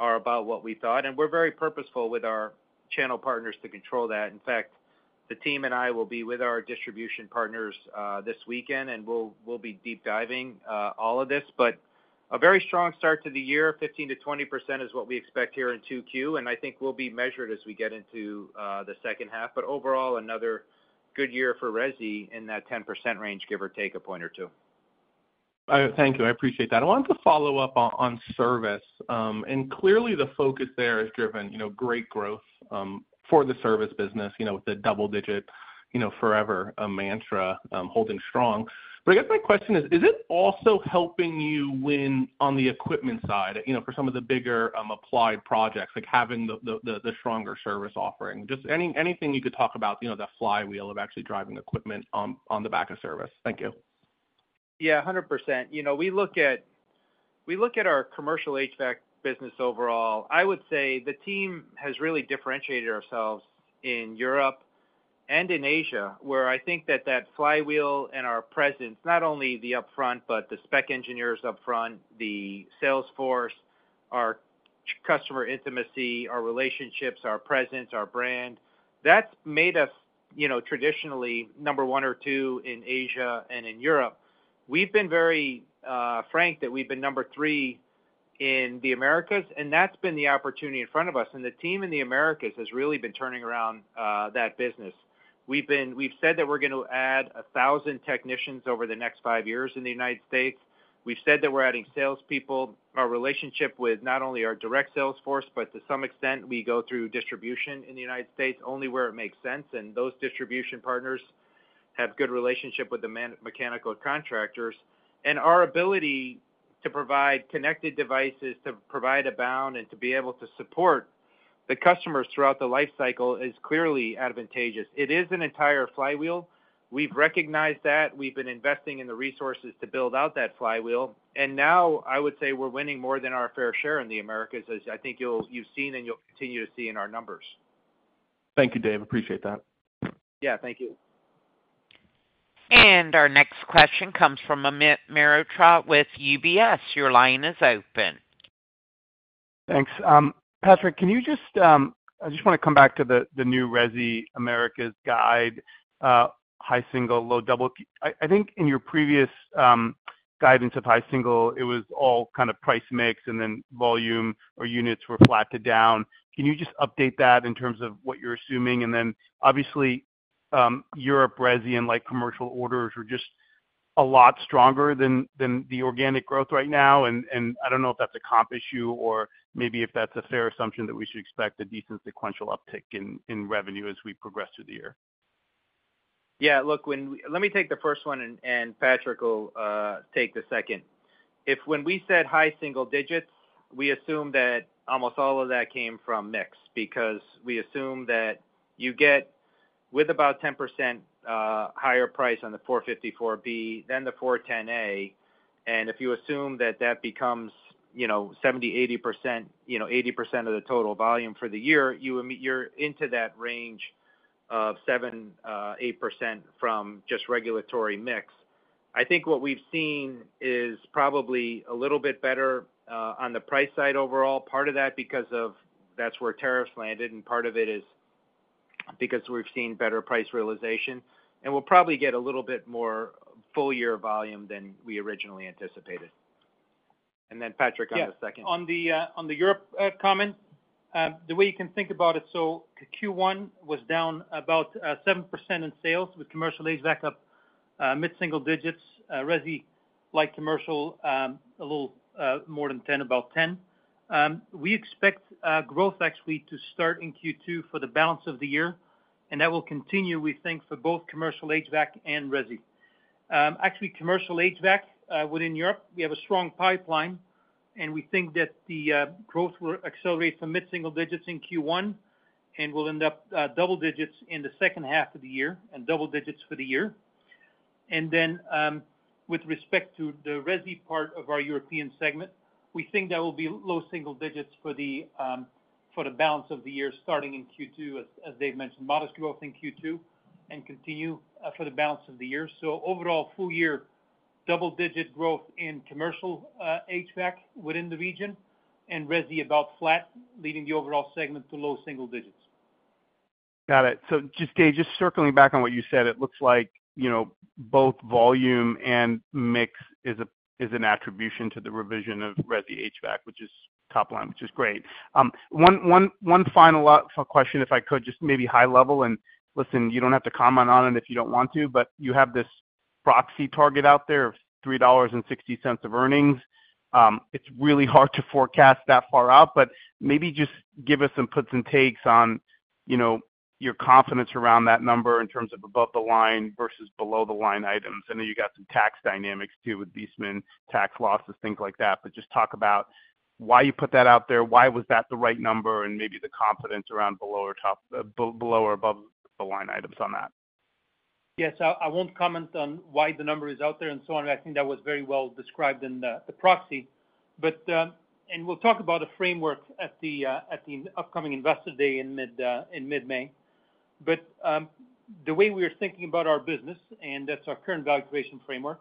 are about what we thought. We are very purposeful with our channel partners to control that. In fact, the team and I will be with our distribution partners this weekend, and we will be deep diving all of this. A very strong start to the year, 15%-20% is what we expect here in Q2, and I think we will be measured as we get into the second half. Overall, another good year for Resi in that 10% range, give or take a point or two. Thank you. I appreciate that. I wanted to follow up on service. Clearly, the focus there has driven great growth for the service business with the double-digit forever mantra holding strong. I guess my question is, is it also helping you win on the equipment side for some of the bigger applied projects, like having the stronger service offering? Just anything you could talk about, that flywheel of actually driving equipment on the back of service. Thank you. Yeah. 100%. We look at our Commercial HVAC business overall. I would say the team has really differentiated ourselves in Europe and in Asia, where I think that that flywheel and our presence, not only the upfront, but the spec engineers upfront, the salesforce, our customer intimacy, our relationships, our presence, our brand, that's made us traditionally number one or two in Asia and in Europe. We have been very frank that we have been number three in the Americas, and that has been the opportunity in front of us. The team in the America has really been turning around that business. We have said that we are going to add 1,000 technicians over the next five years in the United States. We have said that we are adding salespeople. Our relationship with not only our direct salesforce, but to some extent, we go through distribution in the United States only where it makes sense. Those distribution partners have good relationships with the mechanical contractors. Our ability to provide connected devices, to provide Abound, and to be able to support the customers throughout the life cycle is clearly advantageous. It is an entire flywheel. We have recognized that. We have been investing in the resources to build out that flywheel. Now, I would say we are winning more than our fair share in the Americas, as I think you have seen and you will continue to see in our numbers. Thank you, Dave. Appreciate that. Yeah, thank you. Our next question comes from Amit Mehrotra with UBS. Your line is open. Thanks. Patrick, can you just—I just want to come back to the new Resi Americas guide, high single, low double. I think in your previous guidance of high single, it was all kind of price mix and then volume or units were flat and down. Can you just update that in terms of what you're assuming? Europe Resi and Commercial orders are just a lot stronger than the organic growth right now. I do not know if that's a comp issue or maybe if that's a fair assumption that we should expect a decent sequential uptick in revenue as we progress through the year. Yeah. Look, let me take the first one, and Patrick will take the second. If when we said high single digits, we assume that almost all of that came from mix because we assume that you get with about 10% higher price on the 454B than the 410A. If you assume that that becomes 70%-80%, 80% of the total volume for the year, you're into that range of 7%-8% from just regulatory mix. I think what we've seen is probably a little bit better on the price side overall. Part of that because that's where tariffs landed, and part of it is because we've seen better price realization. We'll probably get a little bit more full-year volume than we originally anticipated. Patrick, on the second. Yeah. On the Europe comment, the way you can think about it, Q1 was down about 7% in sales with Commercial HVAC up mid-single digits, Resi like Commercial a little more than 10, about 10. We expect growth actually to start in Q2 for the balance of the year, and that will continue, we think, for both Commercial HVAC and Resi. Actually, Commercial HVAC within Europe, we have a strong pipeline, and we think that the growth will accelerate from mid-single digits in Q1 and will end up double digits in the second half of the year and double digits for the year. With respect to the Resi part of our European segment, we think that will be low single digits for the balance of the year starting in Q2, as Dave mentioned, modest growth in Q2 and continue for the balance of the year. Overall, full year double-digit growth in Commercial HVAC within the region and Resi about flat, leaving the overall segment to low single digits. Got it. Dave, just circling back on what you said, it looks like both volume and mix is an attribution to the revision of Resi HVAC, which is top line, which is great. One final question, if I could, just maybe high level. Listen, you do not have to comment on it if you do not want to, but you have this proxy target out there of $3.60 of earnings. It is really hard to forecast that far out, but maybe just give us some puts and takes on your confidence around that number in terms of above the line versus below the line items. I know you got some tax dynamics too with Viessmann tax losses, things like that, but just talk about why you put that out there, why was that the right number, and maybe the confidence around below or above the line items on that. Yes. I won't comment on why the number is out there and so on. I think that was very well described in the proxy. We will talk about a framework at the upcoming investor day in mid-May. The way we are thinking about our business, and that's our current valuation framework,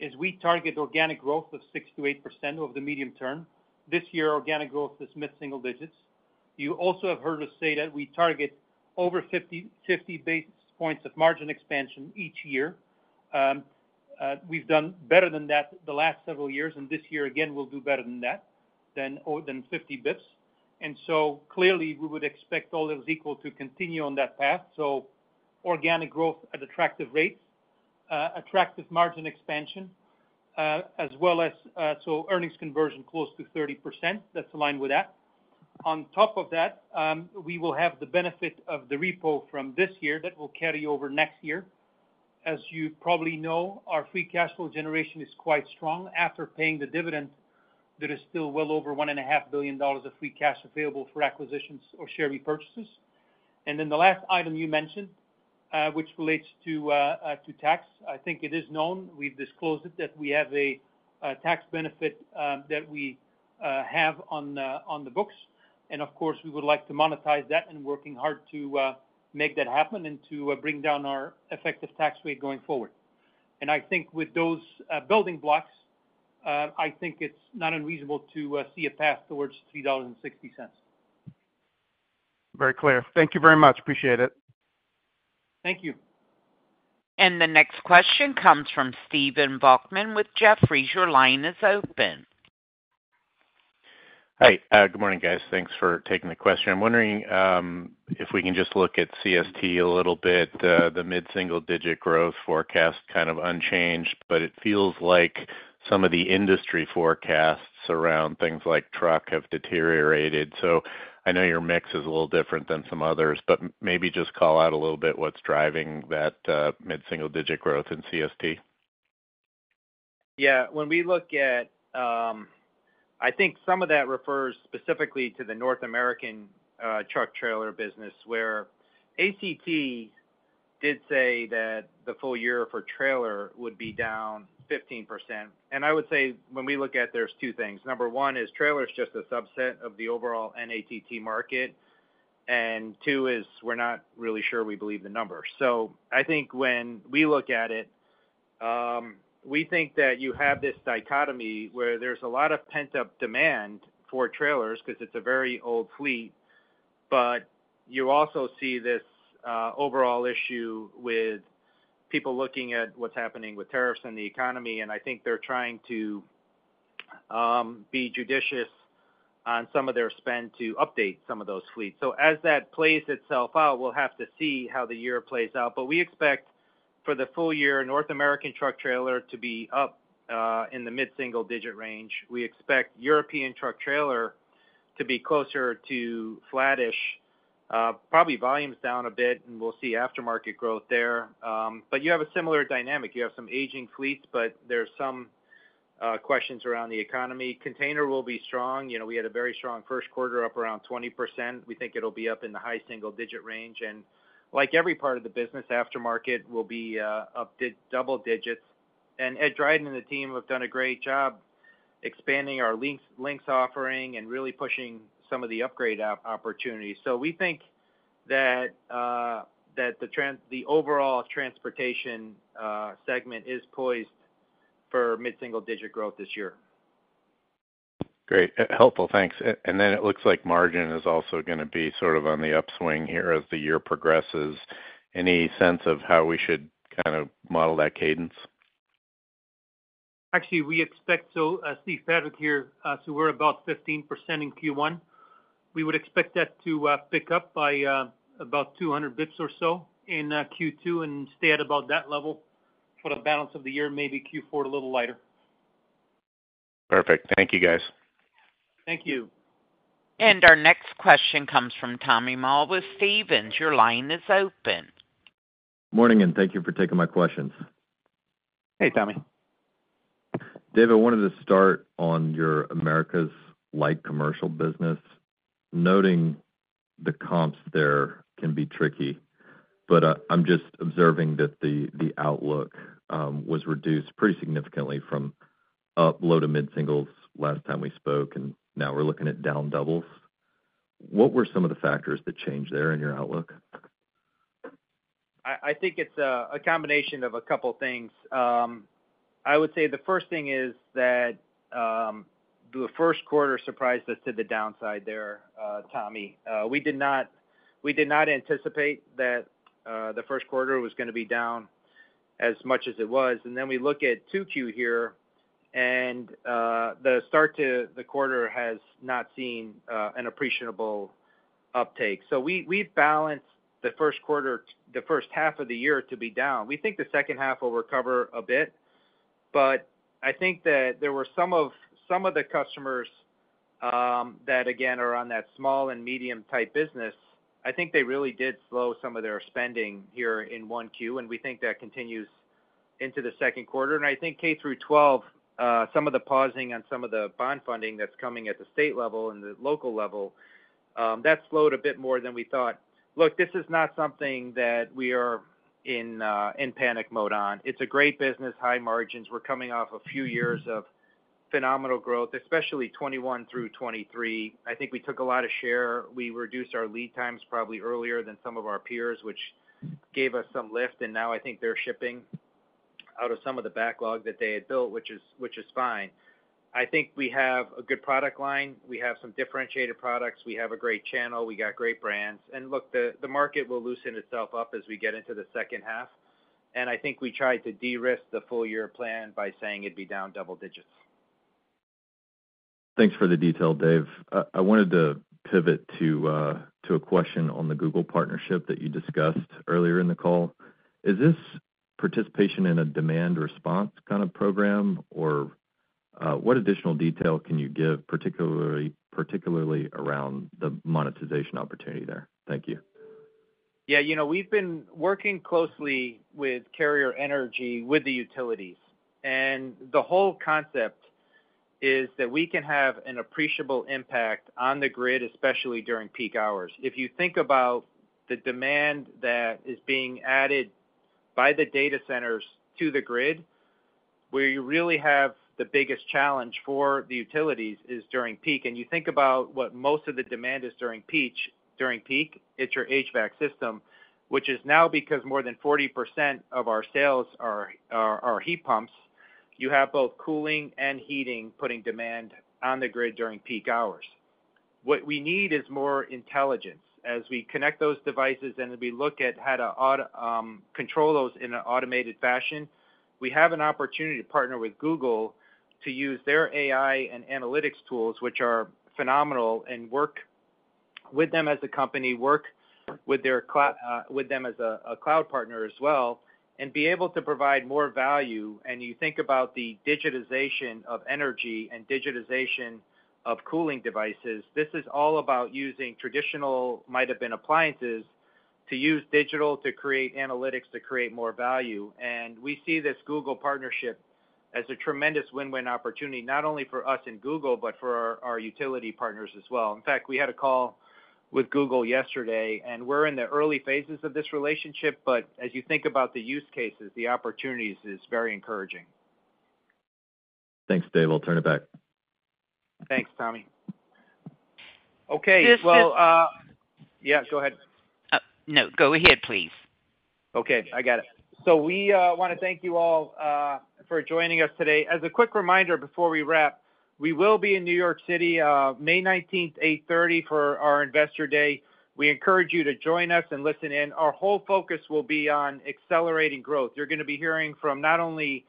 is we target organic growth of 6%-8% over the medium term. This year, organic growth is mid-single digits. You also have heard us say that we target over 50 basis points of margin expansion each year. We have done better than that the last several years, and this year, again, we will do better than that, than 50 basis points. Clearly, we would expect all else equal to continue on that path. Organic growth at attractive rates, attractive margin expansion, as well as earnings conversion close to 30%. That is aligned with that. On top of that, we will have the benefit of the repo from this year that will carry over next year. As you probably know, our free cash flow generation is quite strong. After paying the dividend, there is still well over $1.5 billion of free cash available for acquisitions or share repurchases. The last item you mentioned, which relates to tax, I think it is known. We've disclosed it that we have a tax benefit that we have on the books. Of course, we would like to monetize that and working hard to make that happen and to bring down our effective tax rate going forward. I think with those building blocks, I think it's not unreasonable to see a path towards $3.60. Very clear. Thank you very much. Appreciate it. Thank you. The next question comes from Stephen Volkmann with Jefferies. Your line is open. Hi. Good morning, guys. Thanks for taking the question. I'm wondering if we can just look at CST a little bit. The mid-single digit growth forecast kind of unchanged, but it feels like some of the industry forecasts around things like truck have deteriorated. I know your mix is a little different than some others, but maybe just call out a little bit what's driving that mid-single digit growth in CST. Yeah. When we look at, I think some of that refers specifically to the North American truck trailer business, where ACT did say that the full year for trailer would be down 15%. I would say when we look at it, there are two things. Number one is trailer is just a subset of the overall NATT market. Number two is we're not really sure we believe the number. I think when we look at it, we think that you have this dichotomy where there's a lot of pent-up demand for trailers because it's a very old fleet, but you also see this overall issue with people looking at what's happening with tariffs and the economy. I think they're trying to be judicious on some of their spend to update some of those fleets. As that plays itself out, we'll have to see how the year plays out. We expect for the full year, North American truck trailer to be up in the mid-single digit range. We expect European truck trailer to be closer to flattish, probably volumes down a bit, and we'll see aftermarket growth there. You have a similar dynamic. You have some aging fleets, but there's some questions around the economy. Container will be strong. We had a very strong first quarter up around 20%. We think it'll be up in the high single-digit range. Like every part of the business, aftermarket will be up to double digits. Ed Dryden and the team have done a great job expanding our Lynx offering and really pushing some of the upgrade opportunities. We think that the overall Transportation segment is poised for mid-single digit growth this year. Great. Helpful. Thanks. It looks like margin is also going to be sort of on the upswing here as the year progresses. Any sense of how we should kind of model that cadence? Actually, we expect to see fabric here. We are about 15% in Q1. We would expect that to pick up by about 200 basis points or so in Q2 and stay at about that level for the balance of the year, maybe Q4 a little lighter. Perfect. Thank you, guys. Thank you. Our next question comes from Tommy Moll, Stephens. Your line is open. Morning, and thank you for taking my questions. Hey, Tommy. Dave, I wanted to start on your Americas Light Commercial Business. Noting the comps there can be tricky, but I'm just observing that the outlook was reduced pretty significantly from low to mid singles last time we spoke, and now we're looking at down doubles. What were some of the factors that changed there in your outlook? I think it's a combination of a couple of things. I would say the first thing is that the first quarter surprised us to the downside there, Tommy. We did not anticipate that the first quarter was going to be down as much as it was. We look at Q2 here, and the start to the quarter has not seen an appreciable uptake. We balanced the first quarter, the first half of the year to be down. We think the second half will recover a bit. I think that there were some of the customers that, again, are on that small and medium-type business. I think they really did slow some of their spending here in Q1, and we think that continues into the second quarter. I think K-12, some of the pausing on some of the bond funding that's coming at the state level and the local level, that slowed a bit more than we thought. Look, this is not something that we are in panic mode on. It's a great business, high margins. We're coming off a few years of phenomenal growth, especially 2021 through 2023. I think we took a lot of share. We reduced our lead times probably earlier than some of our peers, which gave us some lift. I think they're shipping out of some of the backlog that they had built, which is fine. I think we have a good product line. We have some differentiated products. We have a great channel. We got great brands. Look, the market will loosen itself up as we get into the second half. I think we tried to de-risk the full-year plan by saying it'd be down double digits. Thanks for the detail, Dave. I wanted to pivot to a question on the Google partnership that you discussed earlier in the call. Is this participation in a demand response kind of program, or what additional detail can you give, particularly around the monetization opportunity there? Thank you. Yeah. We've been working closely with Carrier Energy, with the utilities. The whole concept is that we can have an appreciable impact on the grid, especially during peak hours. If you think about the demand that is being added by the data centers to the grid, where you really have the biggest challenge for the utilities is during peak. You think about what most of the demand is during peak, it's your HVAC system, which is now because more than 40% of our sales are heat pumps. You have both cooling and heating putting demand on the grid during peak hours. What we need is more intelligence. As we connect those devices and we look at how to control those in an automated fashion, we have an opportunity to partner with Google to use their AI and analytics tools, which are phenomenal, and work with them as a company, work with them as a cloud partner as well, and be able to provide more value. You think about the digitization of energy and digitization of cooling devices. This is all about using traditional might have been appliances to use digital to create analytics to create more value. We see this Google partnership as a tremendous win-win opportunity, not only for us and Google, but for our utility partners as well. In fact, we had a call with Google yesterday, and we are in the early phases of this relationship, but as you think about the use cases, the opportunities is very encouraging. Thanks, Dave. I'll turn it back. Thanks, Tommy. Okay. This will. Yeah, go ahead. No, go ahead, please. Okay. I got it. We want to thank you all for joining us today. As a quick reminder before we wrap, we will be in New York City, May 19th, 8:30 for our Investor Day. We encourage you to join us and listen in. Our whole focus will be on accelerating growth. You're going to be hearing from not only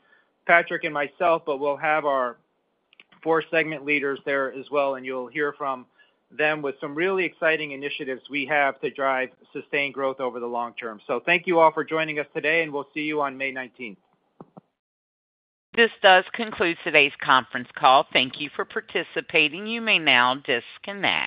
Patrick and myself, but we'll have our four segment leaders there as well, and you'll hear from them with some really exciting initiatives we have to drive sustained growth over the long term. Thank you all for joining us today, and we'll see you on May 19. This does conclude today's conference call. Thank you for participating. You may now disconnect.